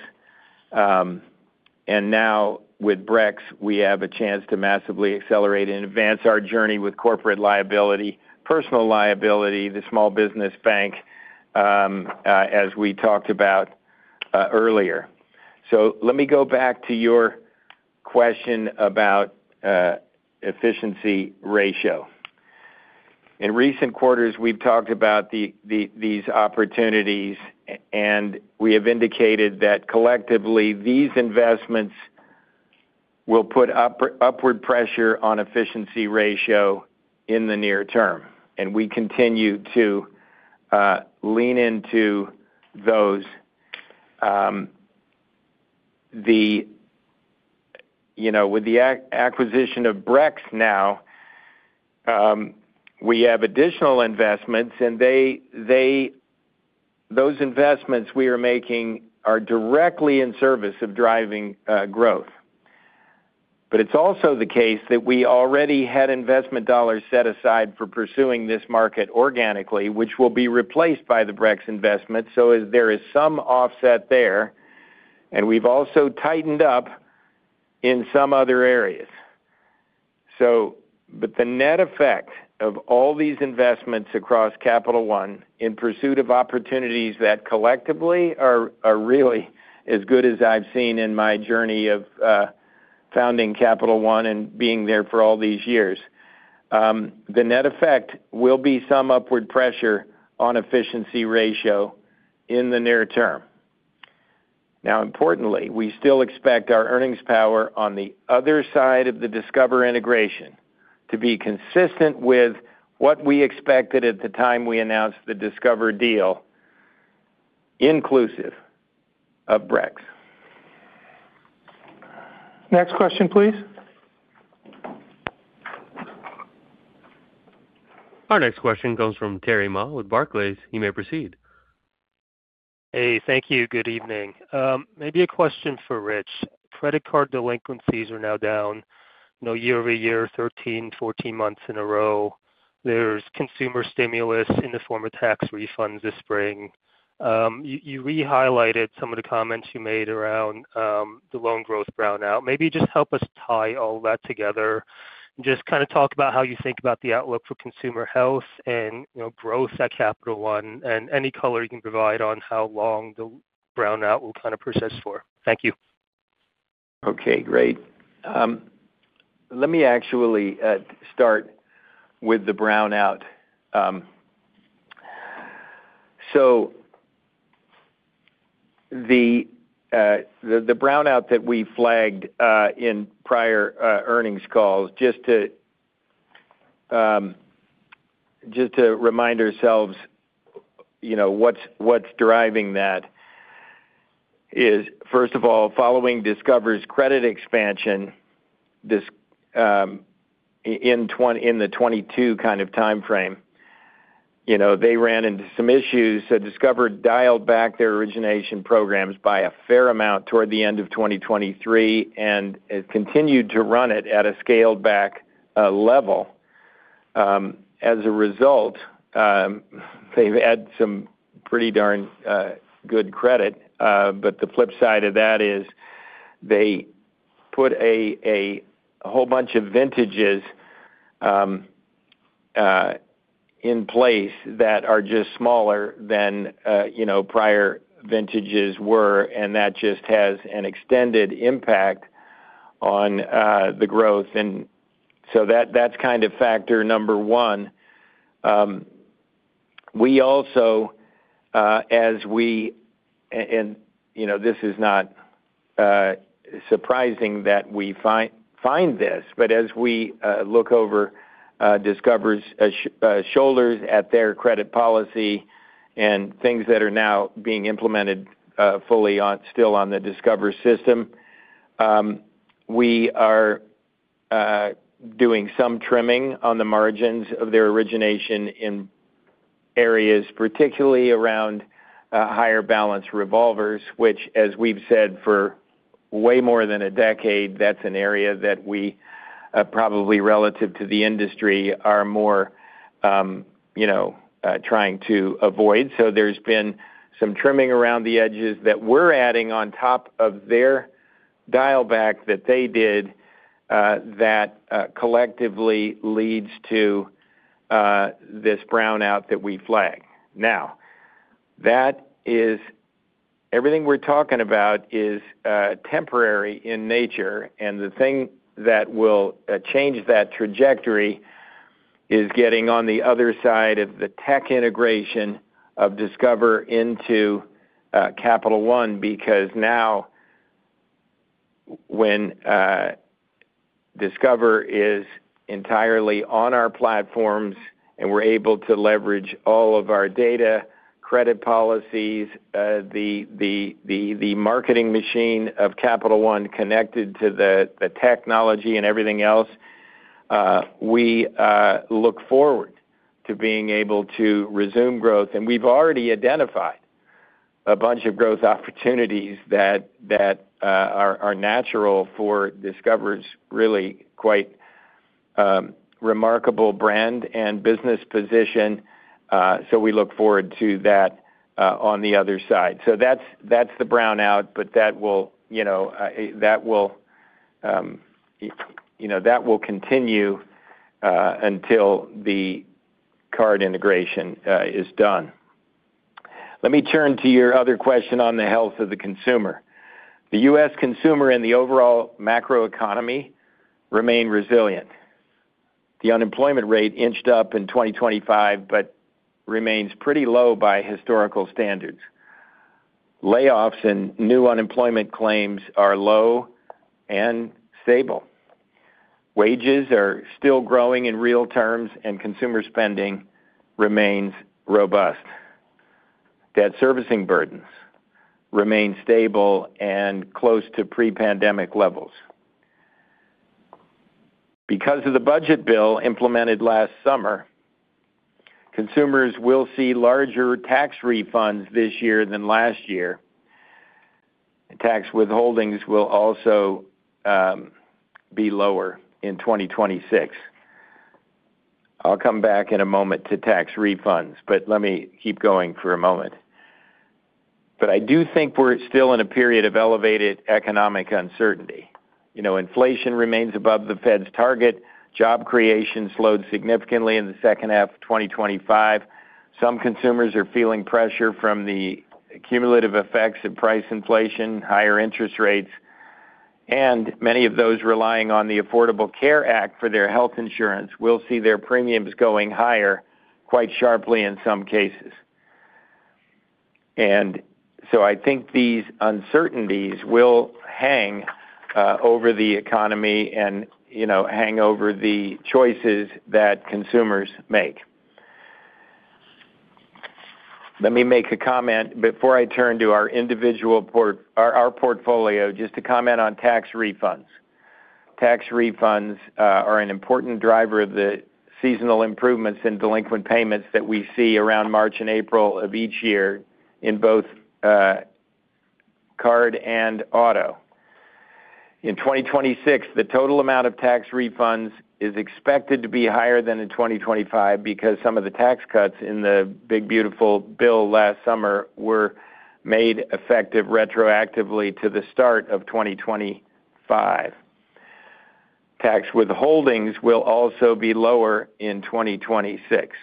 Now, with Brex, we have a chance to massively accelerate and advance our journey with corporate liability, personal liability, the small business bank, as we talked about earlier. Let me go back to your question about efficiency ratio. In recent quarters, we've talked about these opportunities, and we have indicated that collectively, these investments will put upward pressure on efficiency ratio in the near term. We continue to lean into those. With the acquisition of Brex now, we have additional investments. Those investments we are making are directly in service of driving growth. It's also the case that we already had investment dollars set aside for pursuing this market organically, which will be replaced by the Brex investment. There is some offset there. We've also tightened up in some other areas. The net effect of all these investments across Capital One in pursuit of opportunities that collectively are really as good as I've seen in my journey of founding Capital One and being there for all these years, the net effect will be some upward pressure on efficiency ratio in the near term. Now, importantly, we still expect our earnings power on the other side of the Discover integration to be consistent with what we expected at the time we announced the Discover deal, inclusive of Brex. Next question, please. Our next question comes from Terry Ma with Barclays. You may proceed. Hey, thank you. Good evening. Maybe a question for Rich. Credit card delinquencies are now down year over year, 13-14 months in a row. There's consumer stimulus in the form of tax refunds this spring. You re-highlighted some of the comments you made around the loan growth brownout. Maybe just help us tie all that together and just talk about how you think about the outlook for consumer health and growth at Capital One and any color you can provide on how long the brownout will persist for. Thank you. Okay. Great. Let me actually start with the brownout. The brownout that we flagged in prior earnings calls, just to remind ourselves what's driving that is, first of all, following Discover's credit expansion in the 2022 timeframe, they ran into some issues. Discover dialed back their origination programs by a fair amount toward the end of 2023 and continued to run it at a scaled-back level. As a result, they've had some pretty darn good credit. The flip side of that is they put a whole bunch of vintages in place that are just smaller than prior vintages were. And that just has an extended impact on the growth. That's factor number one. We also, as we, and this is not surprising that we find this, but as we look over Discover's shoulders at their credit policy and things that are now being implemented fully still on the Discover system, we are doing some trimming on the margins of their origination in areas, particularly around higher balance revolvers, which, as we've said for way more than a decade, that's an area that we probably, relative to the industry, are more trying to avoid. There's been some trimming around the edges that we're adding on top of their dial-back that they did that collectively leads to this brownout that we flag. Now, everything we're talking about is temporary in nature. And the thing that will change that trajectory is getting on the other side of the tech integration of Discover into Capital One. Now, when Discover is entirely on our platforms and we're able to leverage all of our data, credit policies, the marketing machine of Capital One connected to the technology and everything else, we look forward to being able to resume growth. And we've already identified a bunch of growth opportunities that are natural for Discover's really quite remarkable brand and business position. We look forward to that on the other side. That's the brownout, but that will continue until the card integration is done. Let me turn to your other question on the health of the consumer. The U.S. consumer and the overall macroeconomy remain resilient. The unemployment rate inched up in 2025 but remains pretty low by historical standards. Layoffs and new unemployment claims are low and stable. Wages are still growing in real terms, and consumer spending remains robust. Debt servicing burdens remain stable and close to pre-pandemic levels. The budget bill implemented last summer, consumers will see larger tax refunds this year than last year. Tax withholdings will also be lower in 2026. I'll come back in a moment to tax refunds, but let me keep going for a moment. I do think we're still in a period of elevated economic uncertainty. Inflation remains above the Fed's target. Job creation slowed significantly in the second half of 2025. Some consumers are feeling pressure from the cumulative effects of price inflation, higher interest rates, and many of those relying on the Affordable Care Act for their health insurance will see their premiums going higher quite sharply in some cases, and so I think these uncertainties will hang over the economy and hang over the choices that consumers make. Let me make a comment before I turn to our portfolio, just to comment on tax refunds. Tax refunds are an important driver of the seasonal improvements in delinquent payments that we see around March and April of each year in both card and auto. In 2026, the total amount of tax refunds is expected to be higher than in 2025 because some of the tax cuts in the big beautiful bill last summer were made effective retroactively to the start of 2025. Tax withholdings will also be lower in 2026.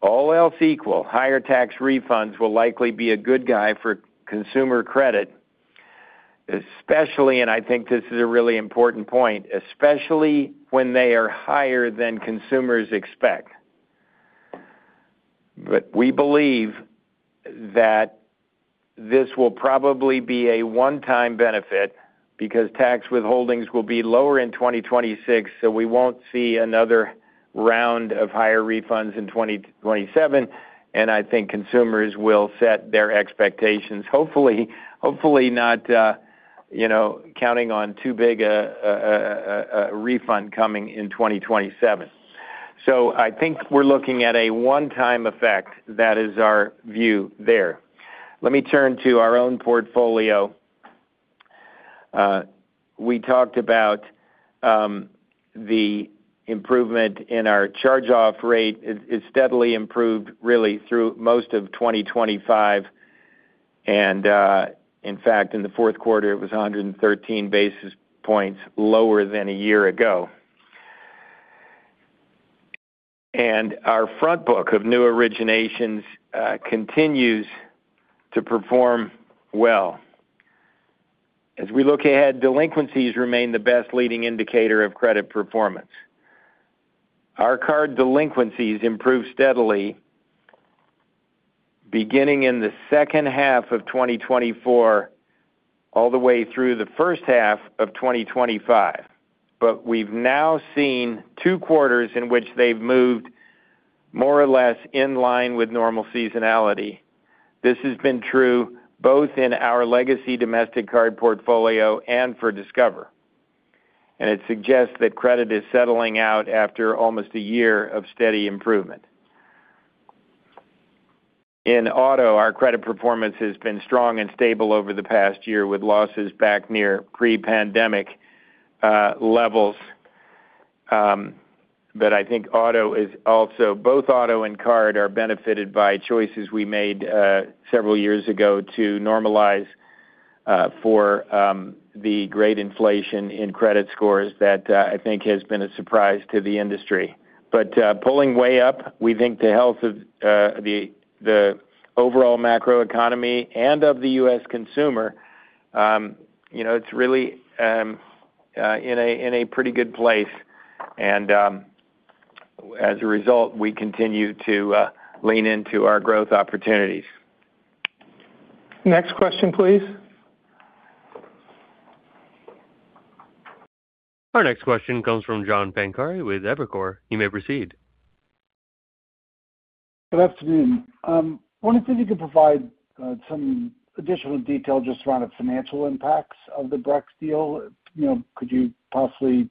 All else equal, higher tax refunds will likely be a good guy for consumer credit, especially, and I think this is a really important point, especially when they are higher than consumers expect. We believe that this will probably be a one-time benefit because tax withholdings will be lower in 2026, so we won't see another round of higher refunds in 2027. And I think consumers will set their expectations, hopefully not counting on too big a refund coming in 2027. I think we're looking at a one-time effect. That is our view there. Let me turn to our own portfolio. We talked about the improvement in our charge-off rate. It's steadily improved, really, through most of 2025. In fact, in the fourth quarter, it was 113 basis points lower than a year ago. Our front book of new originations continues to perform well. As we look ahead, delinquencies remain the best leading indicator of credit performance. Our card delinquencies improved steadily, beginning in the second half of 2024 all the way through the first half of 2025. We've now seen two quarters in which they've moved more or less in line with normal seasonality. This has been true both in our legacy domestic card portfolio and for Discover. And it suggests that credit is settling out after almost a year of steady improvement. In auto, our credit performance has been strong and stable over the past year, with losses back near pre-pandemic levels. I think auto is also, both auto and card are benefited by choices we made several years ago to normalize for the great inflation in credit scores that I think has been a surprise to the industry. Pulling way up, we think the health of the overall macroeconomy and of the U.S. consumer, it's really in a pretty good place. As a result, we continue to lean into our growth opportunities. Next question, please. Our next question comes from John Pancari with Evercore. You may proceed. Good afternoon. I wanted to see if you could provide some additional detail just around the financial impacts of the Brex deal. Could you possibly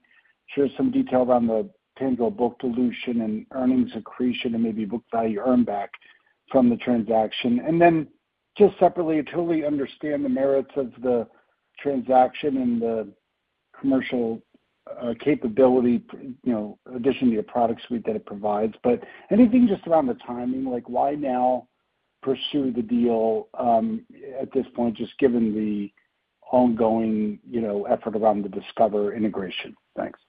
share some detail around the tangible book dilution and earnings accretion and maybe book value earned back from the transaction? And then just separately, I totally understand the merits of the transaction and the commercial capability addition to your product suite that it provides. Anything just around the timing? Why now pursue the deal at this point, just given the ongoing effort around the Discover integration? Thanks.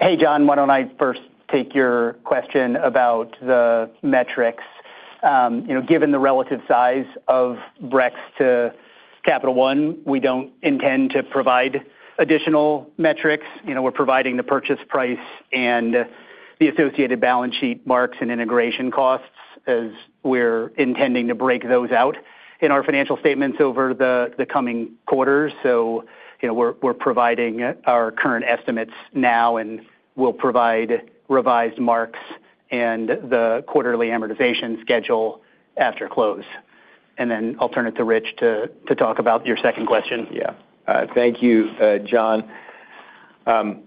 Hey, John, why don't I first take your question about the metrics? Given the relative size of Brex to Capital One, we don't intend to provide additional metrics. We're providing the purchase price and the associated balance sheet marks and integration costs as we're intending to break those out in our financial statements over the coming quarters. We're providing our current estimates now, and we'll provide revised marks and the quarterly amortization schedule after close. Then I'll turn it to Rich to talk about your second question. Yeah. Thank you, John. To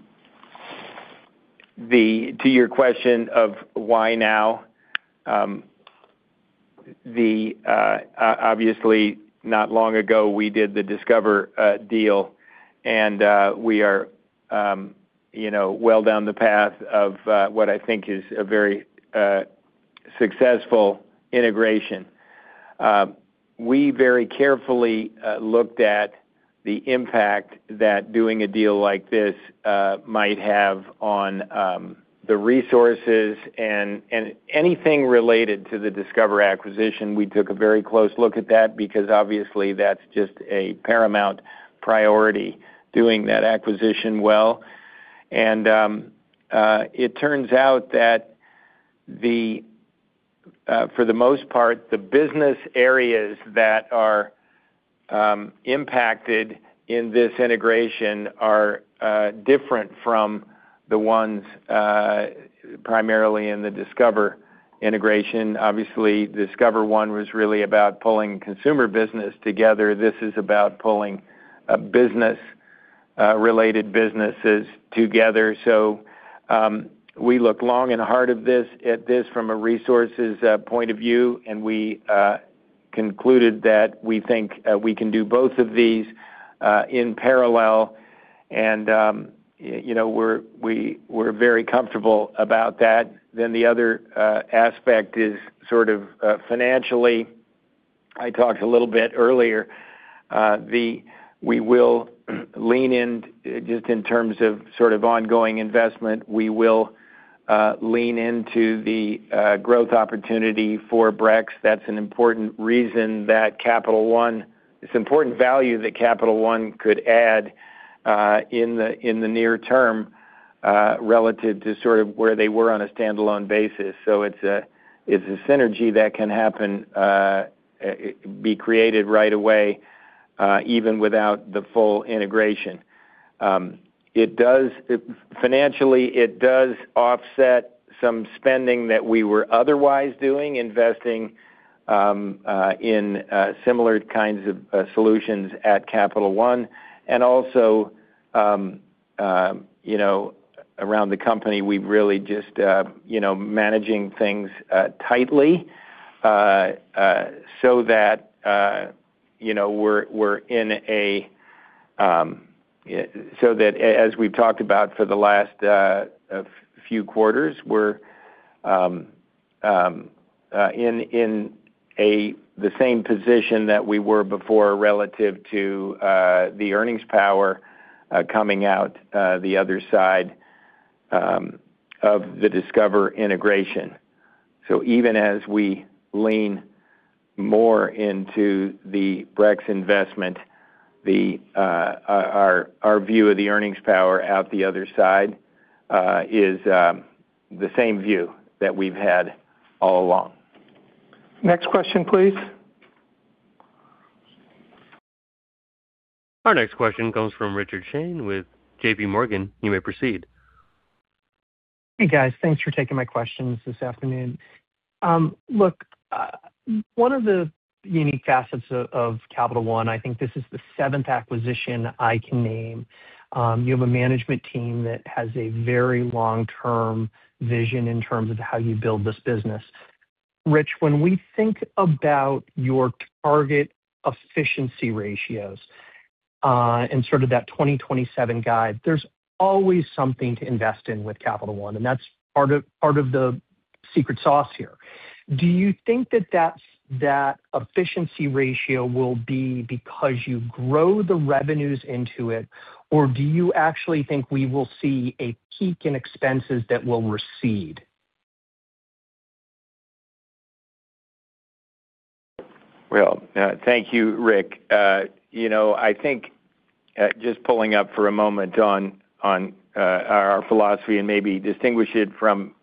your question of why now, obviously, not long ago, we did the Discover deal, and we are well down the path of what I think is a very successful integration. We very carefully looked at the impact that doing a deal like this might have on the resources and anything related to the Discover acquisition. We took a very close look at that because, obviously, that's just a paramount priority, doing that acquisition well. And it turns out that, for the most part, the business areas that are impacted in this integration are different from the ones primarily in the Discover integration. Obviously, Discover One was really about pulling consumer business together. This is about pulling business-related businesses together. We look long and hard at this from a resources point of view, and we concluded that we think we can do both of these in parallel. We're very comfortable about that. Then the other aspect is financially. I talked a little bit earlier. We will lean in just in terms of ongoing investment. We will lean into the growth opportunity for Brex. That's an important reason that Capital One, it's an important value that Capital One could add in the near term relative to where they were on a standalone basis. It's a synergy that can be created right away, even without the full integration. Financially, it does offset some spending that we were otherwise doing, investing in similar kinds of solutions at Capital One. And also, around the company, we've really just been managing things tightly so that we're in a, so that, as we've talked about for the last few quarters, we're in the same position that we were before relative to the earnings power coming out the other side of the Discover integration. Even as we lean more into the Brex investment, our view of the earnings power out the other side is the same view that we've had all along. Next question, please. Our next question comes from Richard Shane with J.P. Morgan. You may proceed. Hey, guys. Thanks for taking my questions this afternoon. Look, one of the unique facets of Capital One, I think this is the seventh acquisition I can name. You have a management team that has a very long-term vision in terms of how you build this business. Rich, when we think about your target efficiency ratios and that 2027 guide, there's always something to invest in with Capital One. That's part of the secret sauce here. Do you think that that efficiency ratio will be because you grow the revenues into it, or do you actually think we will see a peak in expenses that will recede? Well, thank you, Rick. I think just pulling up for a moment on our philosophy and maybe distinguish it from,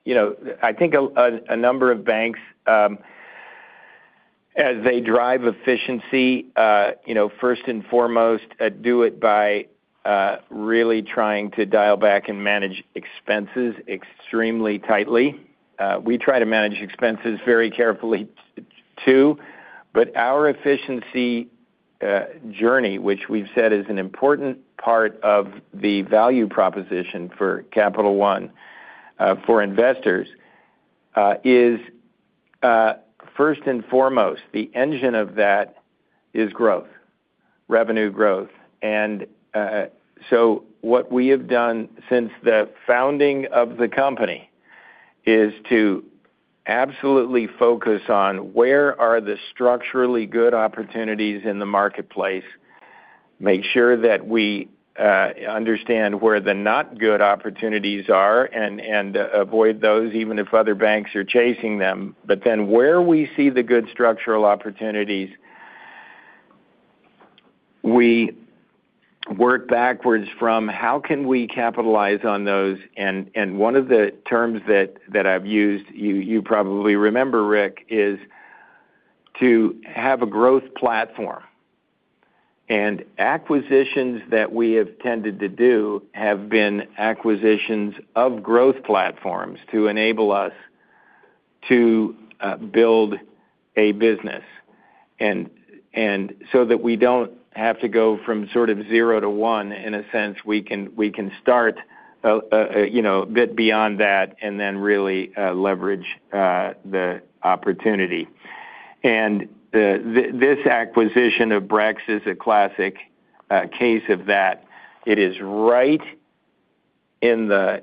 I think a number of banks, as they drive efficiency, first and foremost, do it by really trying to dial back and manage expenses extremely tightly. We try to manage expenses very carefully too. Our efficiency journey, which we've said is an important part of the value proposition for Capital One for investors, is first and foremost, the engine of that is growth, revenue growth. What we have done since the founding of the company is to absolutely focus on where are the structurally good opportunities in the marketplace, make sure that we understand where the not good opportunities are, and avoid those even if other banks are chasing them. Then where we see the good structural opportunities, we work backwards from how can we capitalize on those. One of the terms that I've used, you probably remember, Rick, is to have a growth platform. Acquisitions that we have tended to do have been acquisitions of growth platforms to enable us to build a business so that we don't have to go from zero to one. In a sense, we can start a bit beyond that and then really leverage the opportunity. This acquisition of Brex is a classic case of that. It is right in the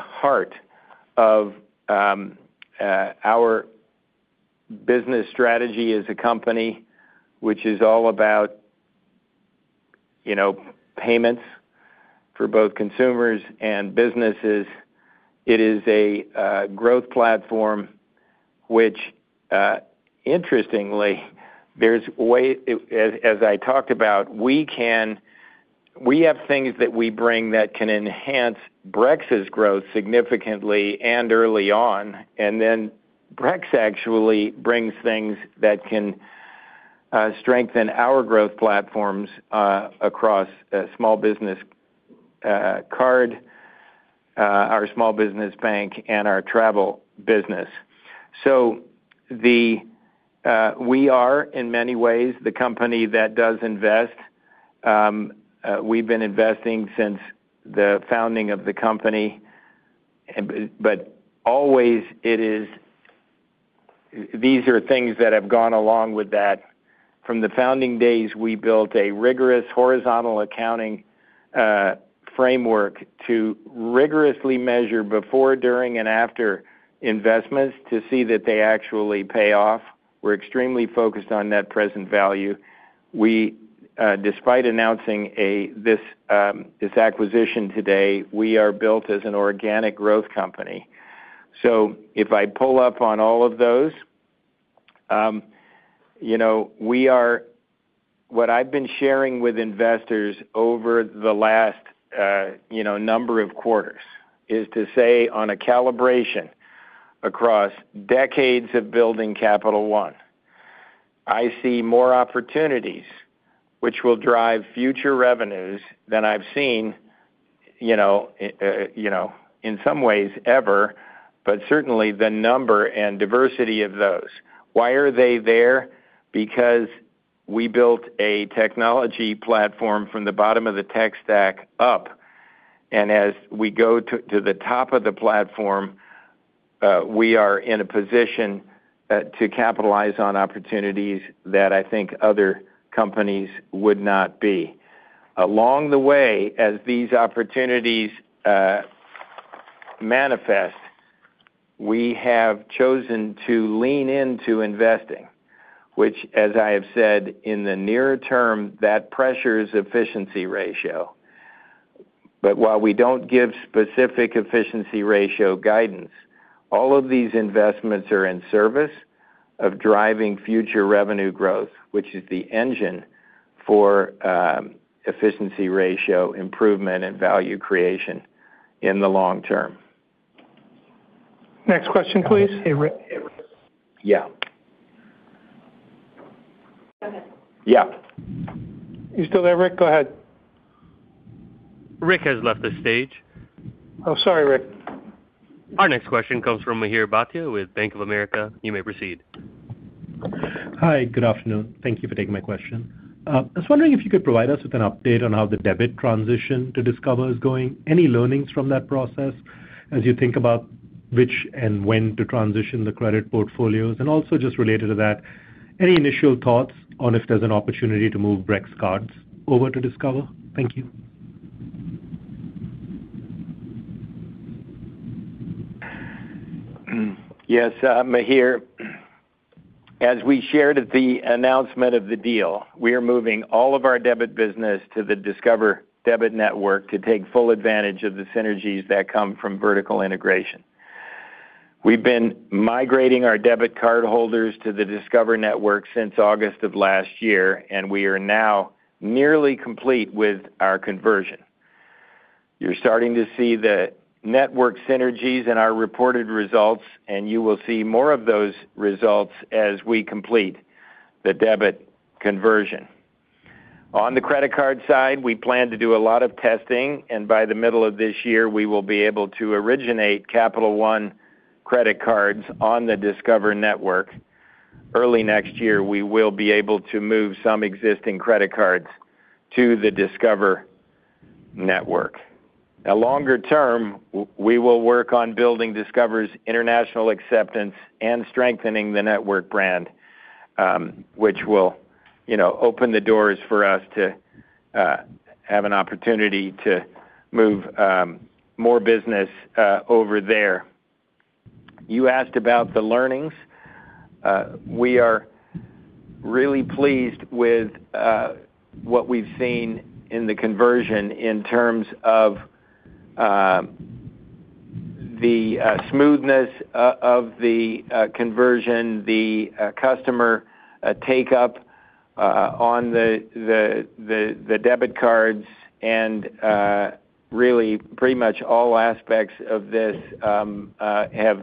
heart of our business strategy as a company, which is all about payments for both consumers and businesses. It is a growth platform, which, interestingly, there's a way, as I talked about, we have things that we bring that can enhance Brex's growth significantly and early on. Then Brex actually brings things that can strengthen our growth platforms across small business card, our small business bank, and our travel business. We are, in many ways, the company that does invest. We've been investing since the founding of the company. Always, these are things that have gone along with that. From the founding days, we built a rigorous horizontal accounting framework to rigorously measure before, during, and after investments to see that they actually pay off. We're extremely focused on net present value. Despite announcing this acquisition today, we are built as an organic growth company. If I pull up on all of those, what I've been sharing with investors over the last number of quarters is to say, on a calibration across decades of building Capital One, I see more opportunities, which will drive future revenues than I've seen in some ways ever, but certainly the number and diversity of those. Why are they there? We built a technology platform from the bottom of the tech stack up, and as we go to the top of the platform, we are in a position to capitalize on opportunities that I think other companies would not be. Along the way, as these opportunities manifest, we have chosen to lean into investing, which, as I have said, in the near term, that pressures efficiency ratio. While we don't give specific efficiency ratio guidance, all of these investments are in service of driving future revenue growth, which is the engine for efficiency ratio improvement and value creation in the long term. Next question, please. Yeah. Go ahead. You still there, Rick? Go ahead. Rick has left the stage. Oh, sorry, Rick. Our next question comes from Mihir Bhatia with Bank of America. You may proceed. Hi. Good afternoon. Thank you for taking my question. I was wondering if you could provide us with an update on how the debit transition to Discover is going, any learnings from that process as you think about which and when to transition the credit portfolios. And also just related to that, any initial thoughts on if there's an opportunity to move Brex cards over to Discover? Thank you. Yes. Mihir, as we shared at the announcement of the deal, we are moving all of our debit business to the Discover debit network to take full advantage of the synergies that come from vertical integration. We've been migrating our debit card holders to the Discover network since August of last year, and we are now nearly complete with our conversion. You're starting to see the network synergies in our reported results, and you will see more of those results as we complete the debit conversion. On the credit card side, we plan to do a lot of testing, and by the middle of this year, we will be able to originate Capital One credit cards on the Discover network. Early next year, we will be able to move some existing credit cards to the Discover network. Now, longer term, we will work on building Discover's international acceptance and strengthening the network brand, which will open the doors for us to have an opportunity to move more business over there. You asked about the learnings. We are really pleased with what we've seen in the conversion in terms of the smoothness of the conversion, the customer take-up on the debit cards, and really pretty much all aspects of this have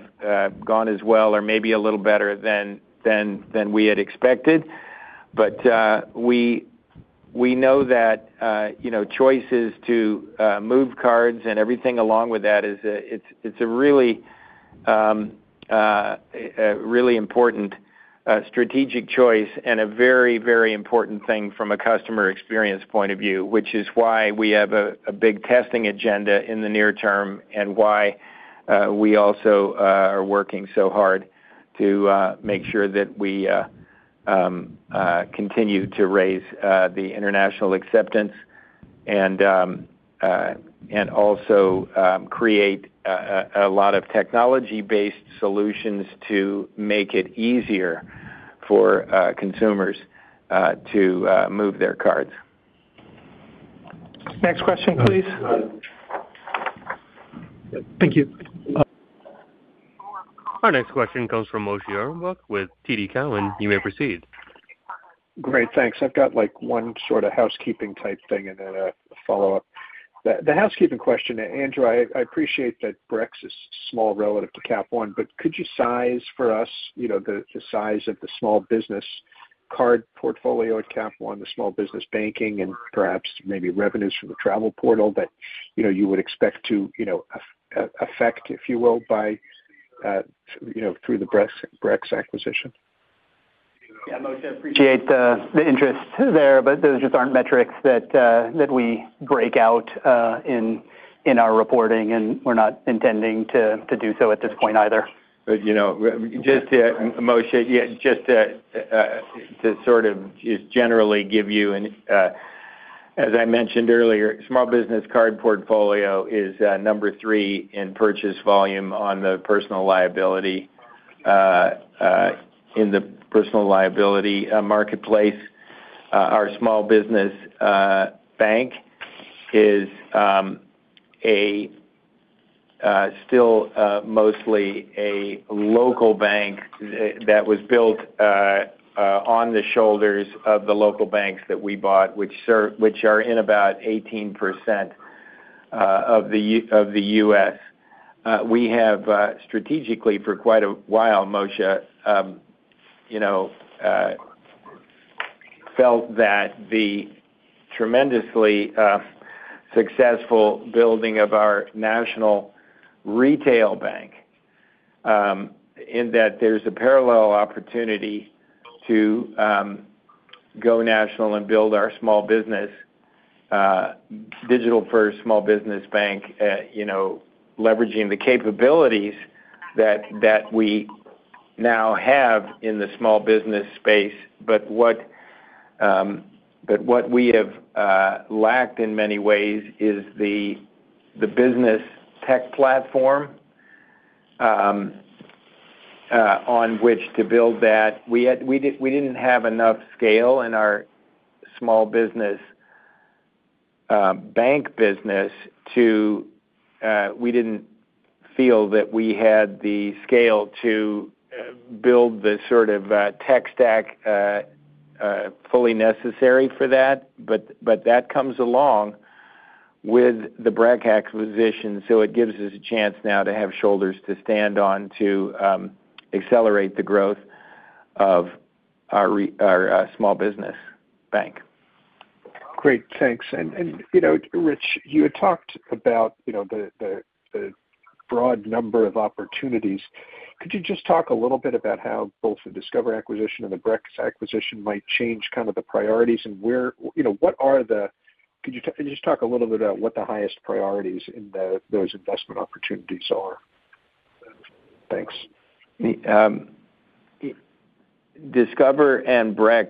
gone as well or maybe a little better than we had expected. We know that choices to move cards and everything along with that, it's a really important strategic choice and a very, very important thing from a customer experience point of view, which is why we have a big testing agenda in the near term and why we also are working so hard to make sure that we continue to raise the international acceptance and also create a lot of technology-based solutions to make it easier for consumers to move their cards. Next question, please. Thank you. Our next question comes from Moshe Orenbuch with TD Cowen. You may proceed. Great. Thanks. I've got one housekeeping-type thing and then a follow-up. The housekeeping question, Andrew. I appreciate that Brex is small relative to Cap One, but could you size for us the size of the small business card portfolio at Cap One, the small business banking, and perhaps maybe revenues from the travel portal that you would expect to affect, if you will, through the Brex acquisition? I appreciate the interest there, but those just aren't metrics that we break out in our reporting, and we're not intending to do so at this point either. Just to just generally give you, as I mentioned earlier, small business card portfolio is number three in purchase volume on the personal liability in the personal liability marketplace. Our small business bank is still mostly a local bank that was built on the shoulders of the local banks that we bought, which are in about 18% of the U.S. We have strategically, for quite a while, Moshe, felt that the tremendously successful building of our national retail bank, in that there's a parallel opportunity to go national and build our small business digital-first small business bank, leveraging the capabilities that we now have in the small business space. But what we have lacked in many ways is the business tech platform on which to build that. We didn't have enough scale in our small business bank business. We didn't feel that we had the scale to build the tech stack fully necessary for that. That comes along with the Brex acquisition, so it gives us a chance now to have shoulders to stand on to accelerate the growth of our small business bank. Great. Thanks, and Rich, you had talked about the broad number of opportunities. Could you just talk a little bit about how both the Discover acquisition and the Brex acquisition might change the priorities? What are the priorities? Could you just talk a little bit about what the highest priorities in those investment opportunities are? Thanks. Discover and Brex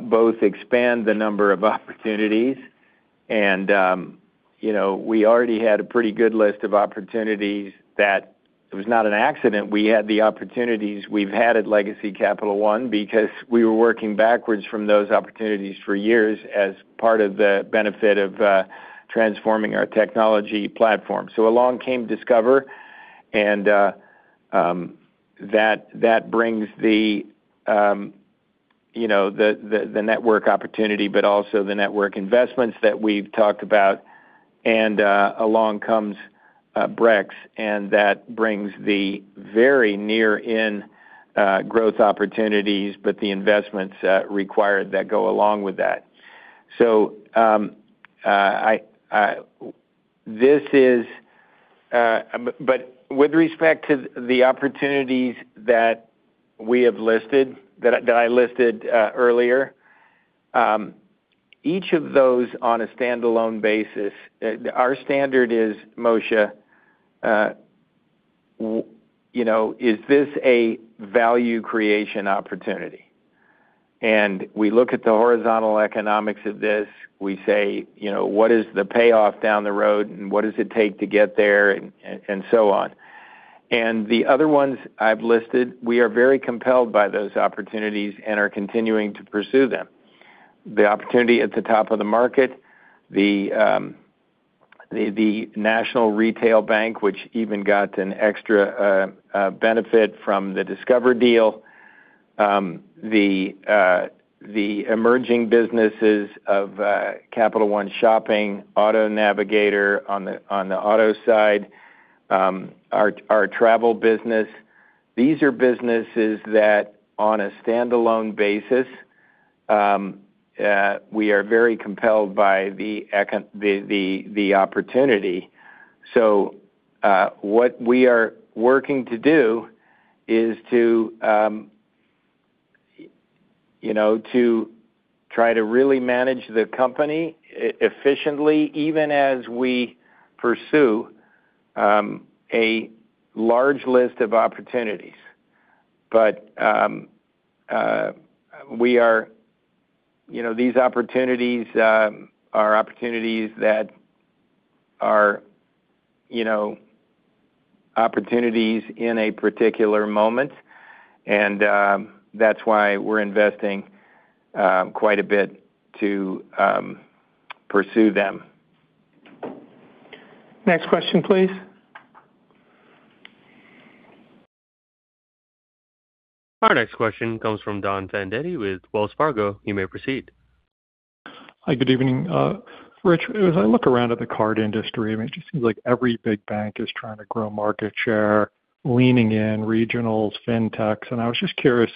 both expand the number of opportunities, and we already had a pretty good list of opportunities that it was not an accident. We had the opportunities we've had at Legacy Capital One because we were working backwards from those opportunities for years as part of the benefit of transforming our technology platform. Along came Discover, and that brings the network opportunity, but also the network investments that we've talked about. And along comes Brex, and that brings the very near-in growth opportunities, but the investments required that go along with that. With respect to the opportunities that I listed earlier, each of those on a standalone basis, our standard is, Moshe, is this a value creation opportunity? We look at the horizontal economics of this. We say, "What is the payoff down the road, and what does it take to get there, and so on?" The other ones I've listed, we are very compelled by those opportunities and are continuing to pursue them. The opportunity at the top of the market, the national retail bank, which even got an extra benefit from the Discover deal, the emerging businesses of Capital One Shopping, Auto Navigator on the auto side, our travel business. These are businesses that, on a standalone basis, we are very compelled by the opportunity. What we are working to do is to try to really manage the company efficiently, even as we pursue a large list of opportunities. These opportunities are opportunities that are opportunities in a particular moment, and that's why we're investing quite a bit to pursue them. Next question, please. Our next question comes from Don Fandetti with Wells Fargo. You may proceed. Hi. Good evening. Rich, as I look around at the card industry, it just seems like every big bank is trying to grow market share, leaning in regionals, fintechs. I was just curious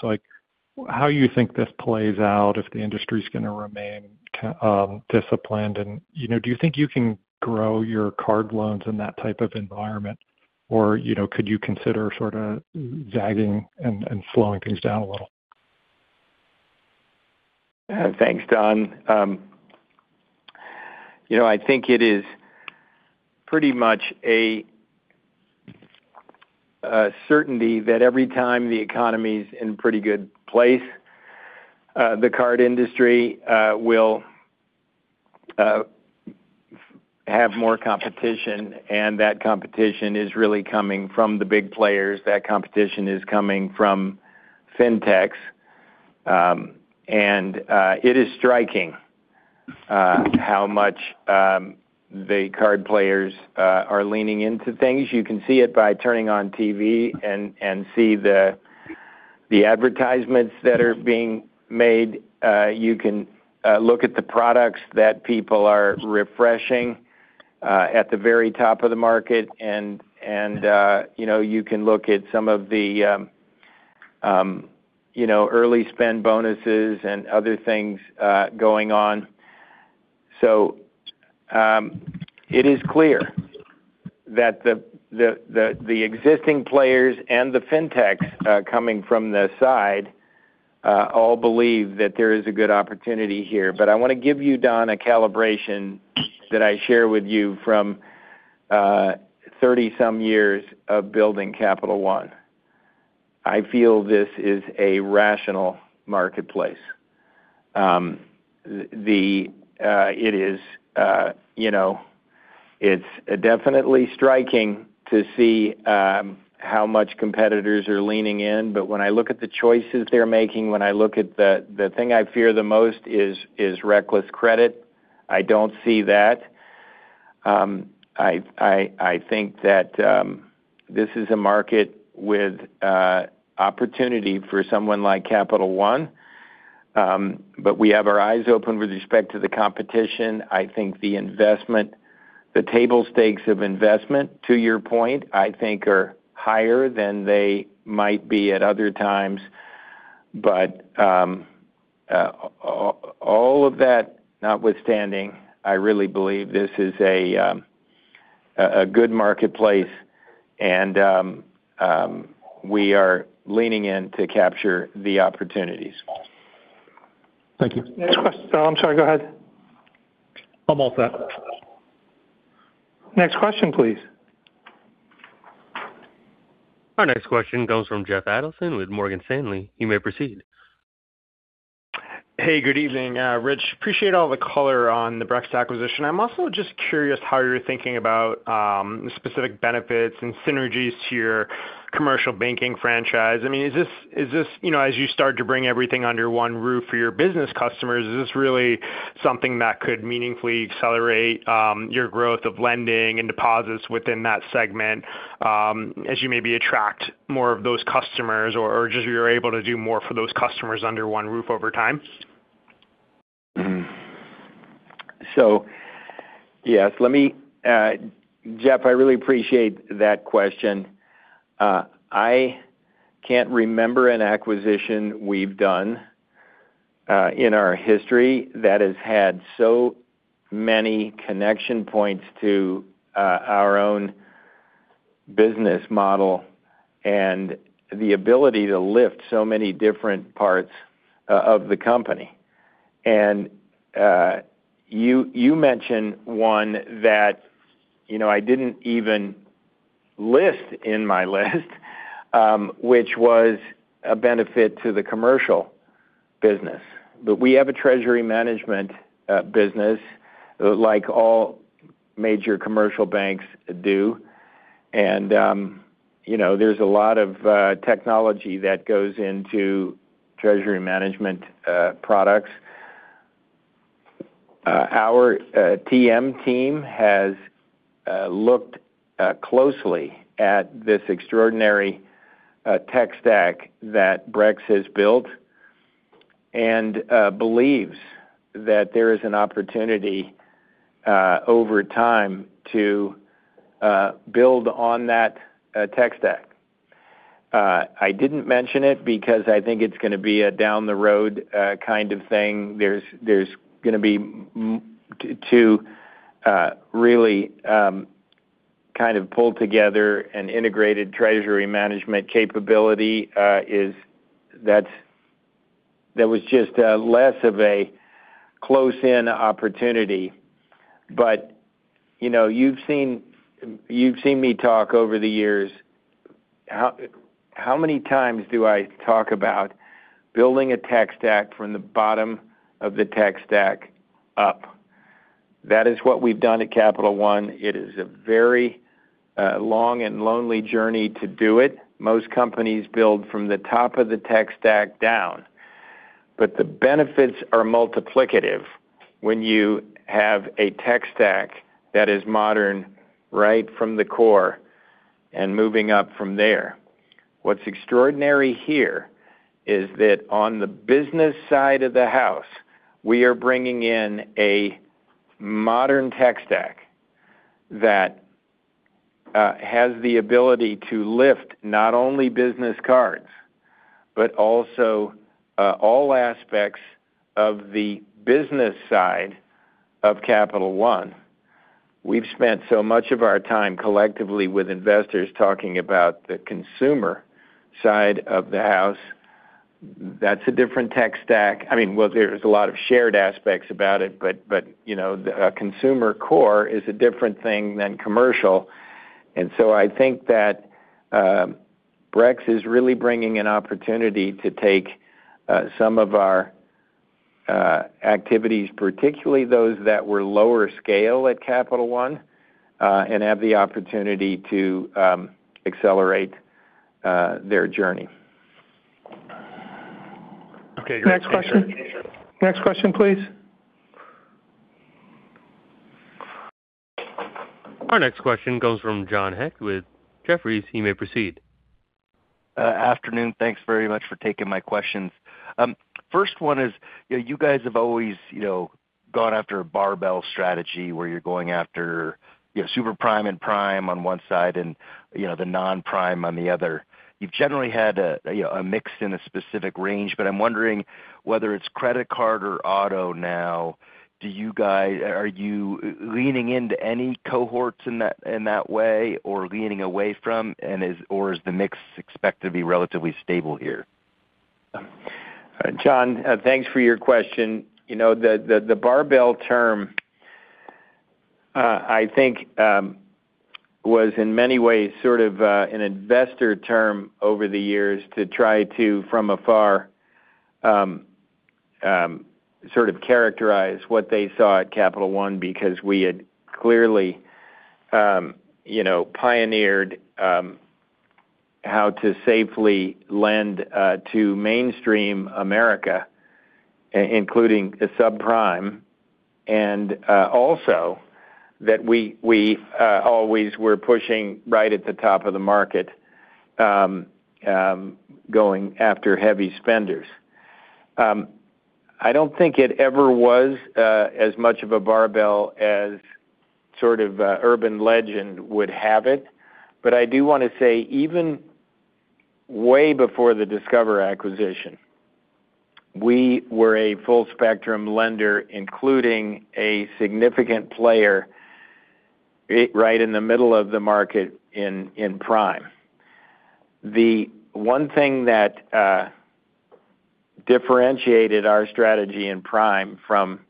how you think this plays out if the industry's going to remain disciplined. Do you think you can grow your card loans in that type of environment, or could you consider zagging and slowing things down a little? Thanks, Don. I think it is pretty much a certainty that every time the economy's in a pretty good place, the card industry will have more competition, and that competition is really coming from the big players. That competition is coming from fintechs, and it is striking how much the card players are leaning into things. You can see it by turning on TV and see the advertisements that are being made. You can look at the products that people are refreshing at the very top of the market, and you can look at some of the early spend bonuses and other things going on, so it is clear that the existing players and the fintechs coming from the side all believe that there is a good opportunity here, but I want to give you, Don, a calibration that I share with you from 30-some years of building Capital One. I feel this is a rational marketplace. It is definitely striking to see how much competitors are leaning in. When I look at the choices they're making, when I look at the thing I fear the most is reckless credit. I don't see that. I think that this is a market with opportunity for someone like Capital One. We have our eyes open with respect to the competition. I think the investment, the table stakes of investment, to your point, I think are higher than they might be at other times. All of that notwithstanding, I really believe this is a good marketplace, and we are leaning in to capture the opportunities. Thank you. Next question. I'm sorry. Go ahead. I'm all set. Next question, please. Our next question comes from Jeff Adelson with Morgan Stanley. You may proceed. Hey. Good evening, Rich. Appreciate all the color on the Brex acquisition. I'm also just curious how you're thinking about the specific benefits and synergies to your commercial banking franchise. I mean, is this, as you start to bring everything under one roof for your business customers, is this really something that could meaningfully accelerate your growth of lending and deposits within that segment as you maybe attract more of those customers or just you're able to do more for those customers under one roof over time? Jeff, I really appreciate that question. I can't remember an acquisition we've done in our history that has had so many connection points to our own business model and the ability to lift so many different parts of the company. And you mentioned one that I didn't even list in my list, which was a benefit to the commercial business. We have a treasury management business like all major commercial banks do, and there's a lot of technology that goes into treasury management products. Our TM team has looked closely at this extraordinary tech stack that Brex has built and believes that there is an opportunity over time to build on that tech stack. I didn't mention it because I think it's going to be a down-the-road thing. There's going to be to really pull together an integrated treasury management capability. That was just less of a close-in opportunity. You've seen me talk over the years. How many times do I talk about building a tech stack from the bottom of the tech stack up? That is what we've done at Capital One. It is a very long and lonely journey to do it. Most companies build from the top of the tech stack down. The benefits are multiplicative when you have a tech stack that is modern right from the core and moving up from there. What's extraordinary here is that on the business side of the house, we are bringing in a modern tech stack that has the ability to lift not only business cards but also all aspects of the business side of Capital One. We've spent so much of our time collectively with investors talking about the consumer side of the house. That's a different tech stack. I mean, well, there's a lot of shared aspects about it, but a consumer core is a different thing than commercial. I think that Brex is really bringing an opportunity to take some of our activities, particularly those that were lower scale at Capital One, and have the opportunity to accelerate their journey. Okay. Next question, please. Our next question comes from John Hecht with Jefferies. You may proceed. Afternoon. Thanks very much for taking my questions. First one is you guys have always gone after a barbell strategy where you're going after super prime and prime on one side and the non-prime on the other. You've generally had a mix in a specific range, but I'm wondering whether it's credit card or auto now. Are you leaning into any cohorts in that way or leaning away from, or is the mix expected to be relatively stable here? John, thanks for your question. The barbell term, I think, was in many ways an investor term over the years to try to, from afar characterize what they saw at Capital One because we had clearly pioneered how to safely lend to mainstream America, including the subprime, and also that we always were pushing right at the top of the market, going after heavy spenders. I don't think it ever was as much of a barbell as urban legend would have it. I do want to say even way before the Discover acquisition, we were a full-spectrum lender, including a significant player right in the middle of the market in prime. The one thing that differentiated our strategy in prime from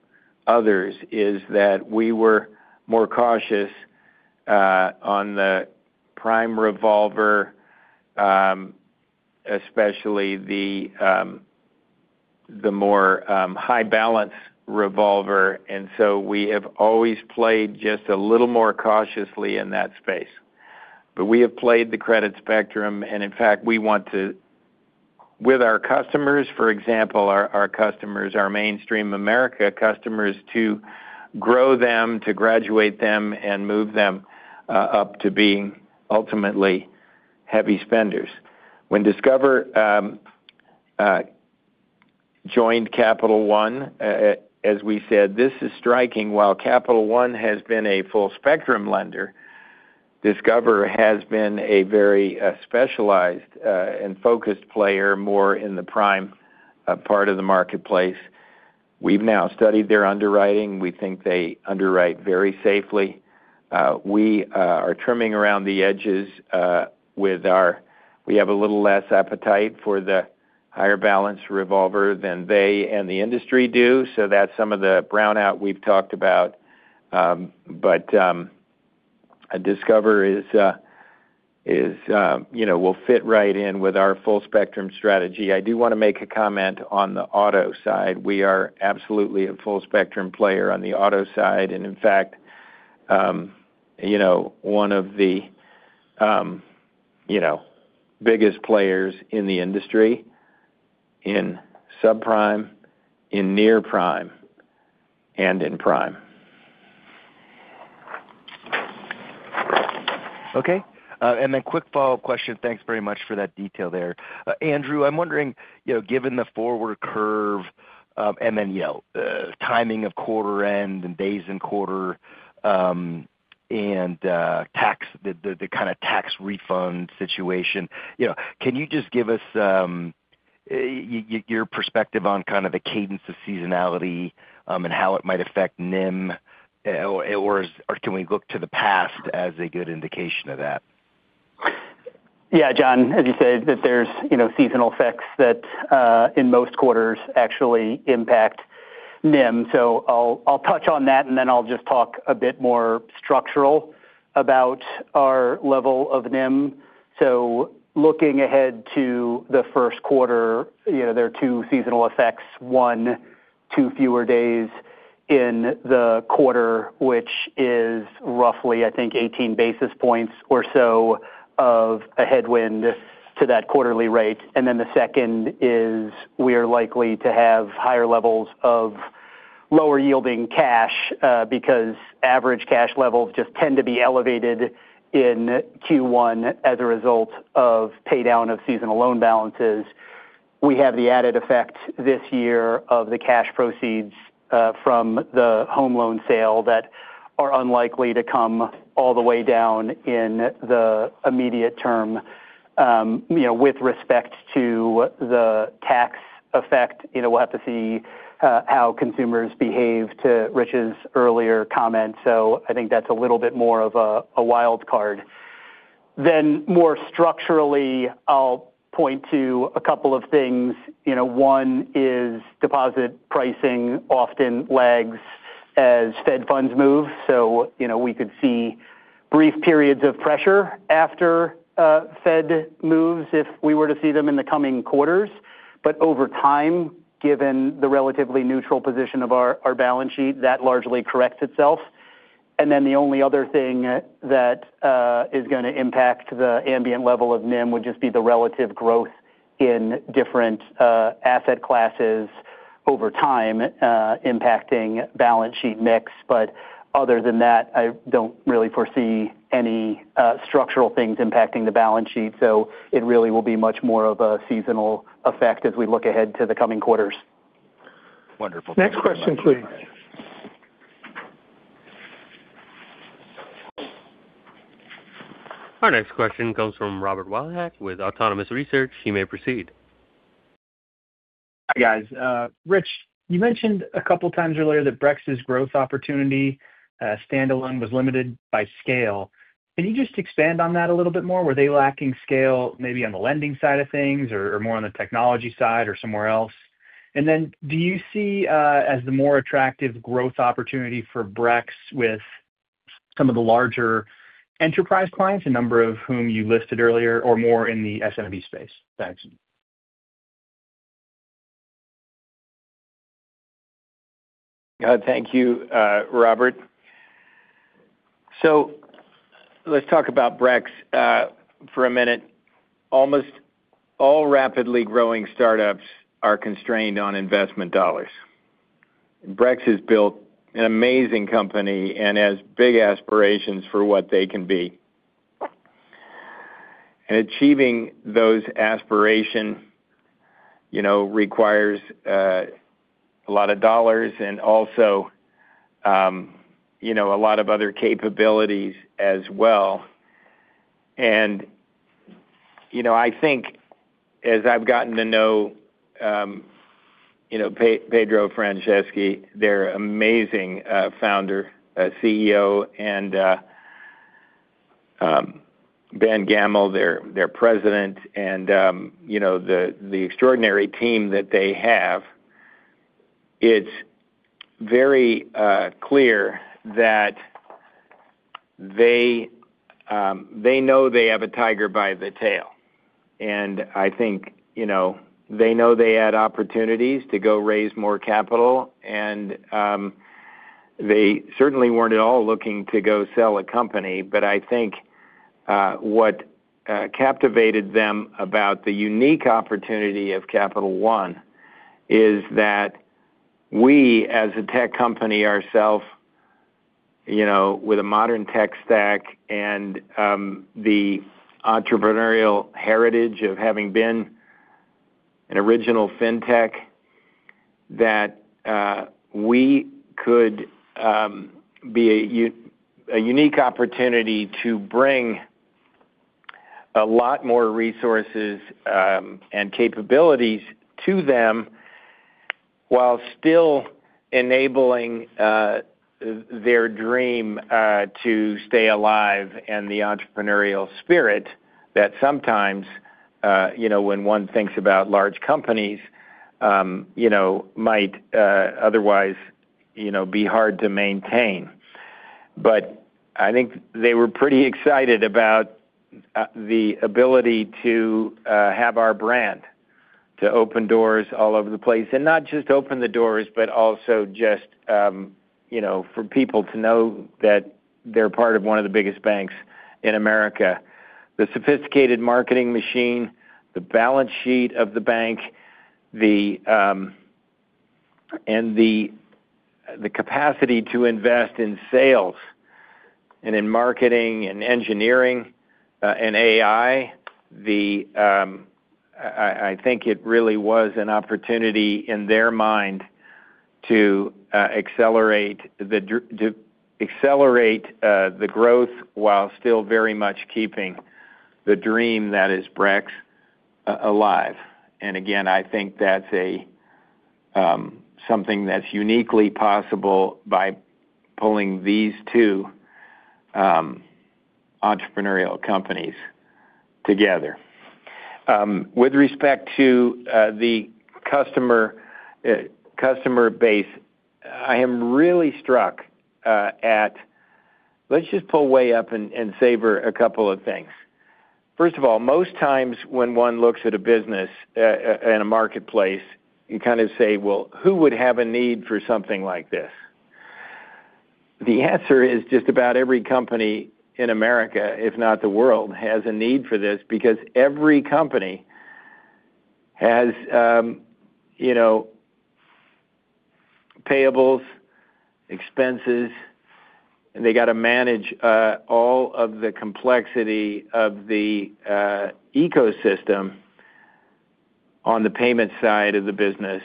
others is that we were more cautious on the prime revolver, especially the more high-balance revolver. We have always played just a little more cautiously in that space. We have played the credit spectrum, and in fact, we want to, with our customers, for example, our customers, our mainstream America customers, to grow them, to graduate them, and move them up to being ultimately heavy spenders. When Discover joined Capital One, as we said, this is striking. While Capital One has been a full-spectrum lender, Discover has been a very specialized and focused player more in the prime part of the marketplace. We've now studied their underwriting. We think they underwrite very safely. We are trimming around the edges with our, we have a little less appetite for the higher-balance revolver than they and the industry do. That's some of the brownout we've talked about. Discover will fit right in with our full-spectrum strategy. I do want to make a comment on the auto side. We are absolutely a full-spectrum player on the auto side, and in fact, one of the biggest players in the industry in subprime, in near prime, and in prime. Okay. Then quick follow-up question. Thanks very much for that detail there. Andrew, I'm wondering, given the forward curve and then timing of quarter-end and days in quarter and the tax refund situation, can you just give us your perspective on the cadence of seasonality and how it might affect NIM, or can we look to the past as a good indication of that? John, as you said, that there's seasonal effects that in most quarters actually impact NIM. I'll touch on that, and then I'll just talk a bit more structural about our level of NIM. Llooking ahead to the first quarter, there are two seasonal effects: one, two fewer days in the quarter, which is roughly, I think, 18 basis points or so of a headwind to that quarterly rate. Then the second is we are likely to have higher levels of lower-yielding cash because average cash levels just tend to be elevated in Q1 as a result of paydown of seasonal loan balances. We have the added effect this year of the cash proceeds from the home loan sale that are unlikely to come all the way down in the immediate term with respect to the tax effect. We'll have to see how consumers behave to Rich's earlier comment. I think that's a little bit more of a wild card. Then more structurally, I'll point to a couple of things. One is deposit pricing often lags as Fed funds move. We could see brief periods of pressure after Fed moves if we were to see them in the coming quarters. Over time, given the relatively neutral position of our balance sheet, that largely corrects itself. Then the only other thing that is going to impact the ambient level of NIM would just be the relative growth in different asset classes over time impacting balance sheet mix. Other than that, I don't really foresee any structural things impacting the balance sheet. So it really will be much more of a seasonal effect as we look ahead to the coming quarters. Wonderful. Next question, please. Our next question comes from Robert Wildhack with Autonomous Research. You may proceed. Hi, guys. Rich, you mentioned a couple of times earlier that Brex's growth opportunity standalone was limited by scale. Can you just expand on that a little bit more? Were they lacking scale maybe on the lending side of things or more on the technology side or somewhere else? And then do you see as the more attractive growth opportunity for Brex with some of the larger enterprise clients, a number of whom you listed earlier, or more in the SMB space? Thanks. Thank you, Robert. Let's talk about Brex for a minute. Almost all rapidly growing startups are constrained on investment dollars. Brex has built an amazing company and has big aspirations for what they can be. Achieving those aspirations requires a lot of dollars and also a lot of other capabilities as well. I think as I've gotten to know Pedro Franceschi, their amazing founder, CEO, and Ben Gammell, their president, and the extraordinary team that they have, it's very clear that they know they have a tiger by the tail. I think they know they had opportunities to go raise more capital, and they certainly weren't at all looking to go sell a company. I think what captivated them about the unique opportunity of Capital One is that we, as a tech company ourselves with a modern tech stack and the entrepreneurial heritage of having been an original fintech, could be a unique opportunity to bring a lot more resources and capabilities to them while still enabling their dream to stay alive and the entrepreneurial spirit that sometimes when one thinks about large companies might otherwise be hard to maintain. I think they were pretty excited about the ability to have our brand to open doors all over the place and not just open the doors, but also just for people to know that they're part of one of the biggest banks in America. The sophisticated marketing machine, the balance sheet of the bank, and the capacity to invest in sales and in marketing and engineering and AI, I think it really was an opportunity in their mind to accelerate the growth while still very much keeping the dream that is Brex alive. And again, I think that's something that's uniquely possible by pulling these two entrepreneurial companies together. With respect to the customer base, I am really struck at let's just pull way up and savor a couple of things. First of all, most times when one looks at a business in a marketplace, you say, "Well, who would have a need for something like this?" The answer is just about every company in America, if not the world, has a need for this because every company has payables, expenses, and they got to manage all of the complexity of the ecosystem on the payment side of the business.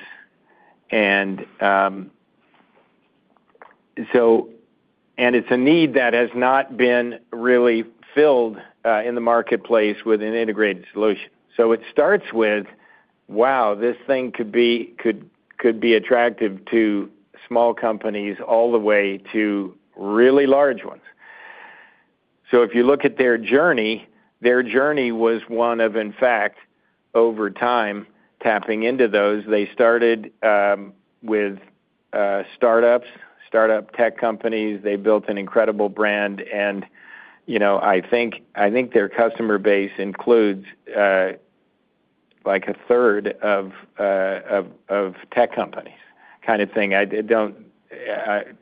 It's a need that has not been really filled in the marketplace with an integrated solution. It starts with, "Wow, this thing could be attractive to small companies all the way to really large ones." If you look at their journey, their journey was one of, in fact, over time tapping into those. They started with startups, startup tech companies. They built an incredible brand. I think their customer base includes like a third of tech companies thing.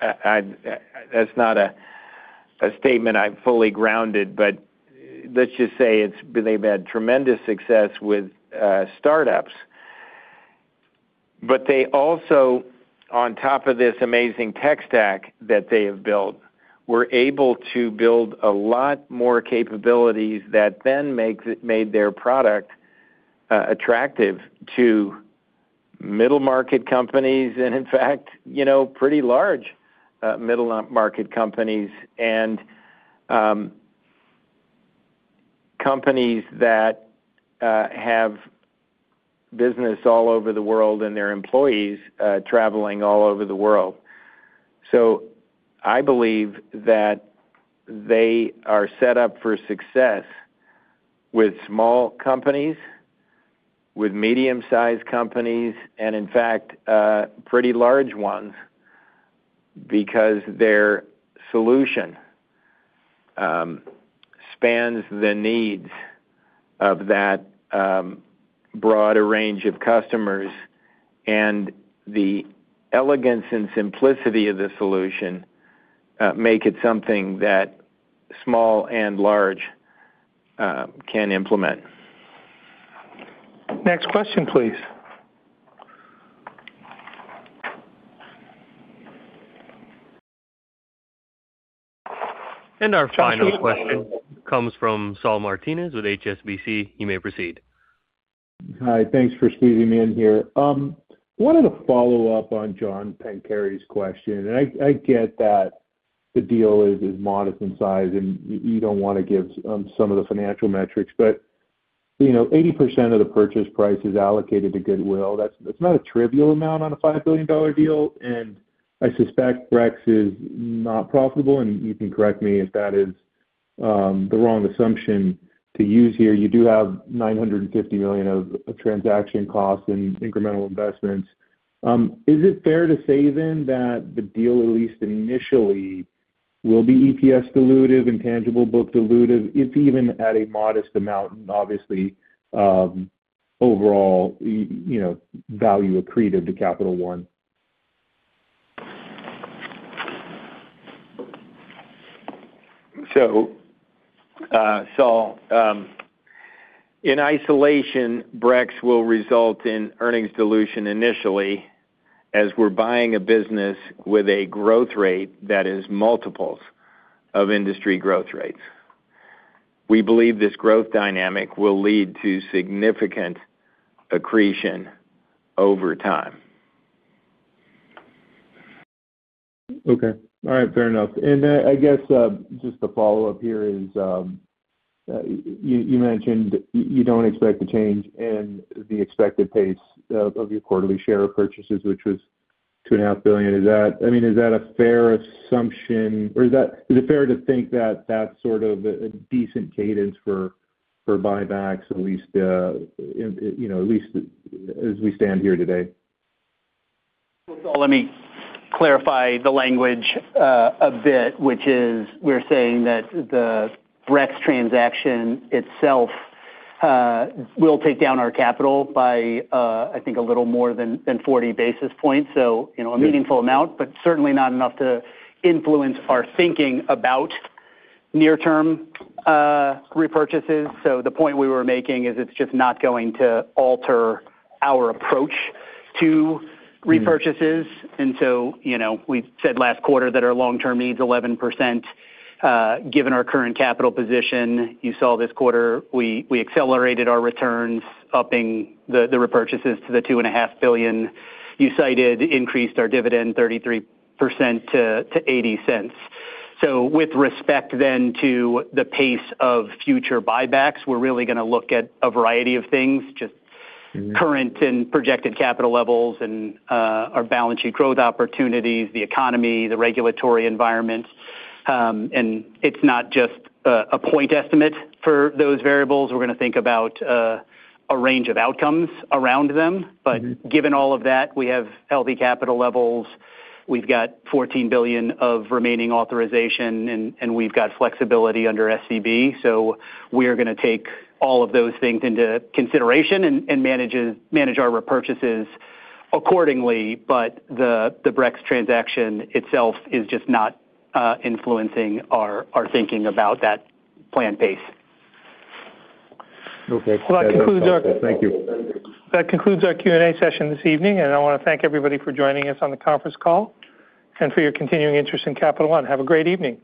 That's not a statement I'm fully grounded, but let's just say they've had tremendous success with startups. They also, on top of this amazing tech stack that they have built, were able to build a lot more capabilities that then made their product attractive to middle-market companies and, in fact, pretty large middle-market companies and companies that have business all over the world and their employees traveling all over the world. I believe that they are set up for success with small companies, with medium-sized companies, and in fact, pretty large ones because their solution spans the needs of that broader range of customers. The elegance and simplicity of the solution make it something that small and large can implement. Next question, please. Our final question comes from Saul Martinez with HSBC. You may proceed. Hi. Thanks for squeezing me in here. I wanted to follow up on John Pancari's question. I get that the deal is modest in size, and you don't want to give some of the financial metrics. 80% of the purchase price is allocated to Goodwill. That's not a trivial amount on a $5 billion deal. And I suspect Brex is not profitable. you can correct me if that is the wrong assumption to use here. You do have $950 million of transaction costs and incremental investments. Is it fair to say then that the deal, at least initially, will be EPS dilutive and tangible book dilutive, if even at a modest amount and obviously overall value accretive to Capital One? Saul, in isolation, Brex will result in earnings dilution initially as we're buying a business with a growth rate that is multiples of industry growth rates. We believe this growth dynamic will lead to significant accretion over time. All right. Fair enough. I guess just to follow up here is you mentioned you don't expect a change in the expected pace of your quarterly share purchases, which was $2.5 billion. I mean, is that a fair assumption? Or is it fair to think that that's a decent cadence for buybacks, at least as we stand here today? Well, let me clarify the language a bit, which is we're saying that the Brex transaction itself will take down our capital by, I think, a little more than 40 basis points. A meaningful amount, but certainly not enough to influence our thinking about near-term repurchases. The point we were making is it's just not going to alter our approach to repurchases. We said last quarter that our long-term needs 11%. Given our current capital position, you saw this quarter we accelerated our returns, upping the repurchases to $2.5 billion. We increased our dividend 33% to $0.80. With respect then to the pace of future buybacks, we're really going to look at a variety of things, just current and projected capital levels and our balance sheet growth opportunities, the economy, the regulatory environment. It's not just a point estimate for those variables. We're going to think about a range of outcomes around them. Given all of that, we have healthy capital levels. We've got $14 billion of remaining authorization, and we've got flexibility under SVB. We're going to take all of those things into consideration and manage our repurchases accordingly. The Brex transaction itself is just not influencing our thinking about that planned pace. Okay. That concludes our Q&A session this evening. I want to thank everybody for joining us on the conference call and for your continuing interest in Capital One. Have a great evening.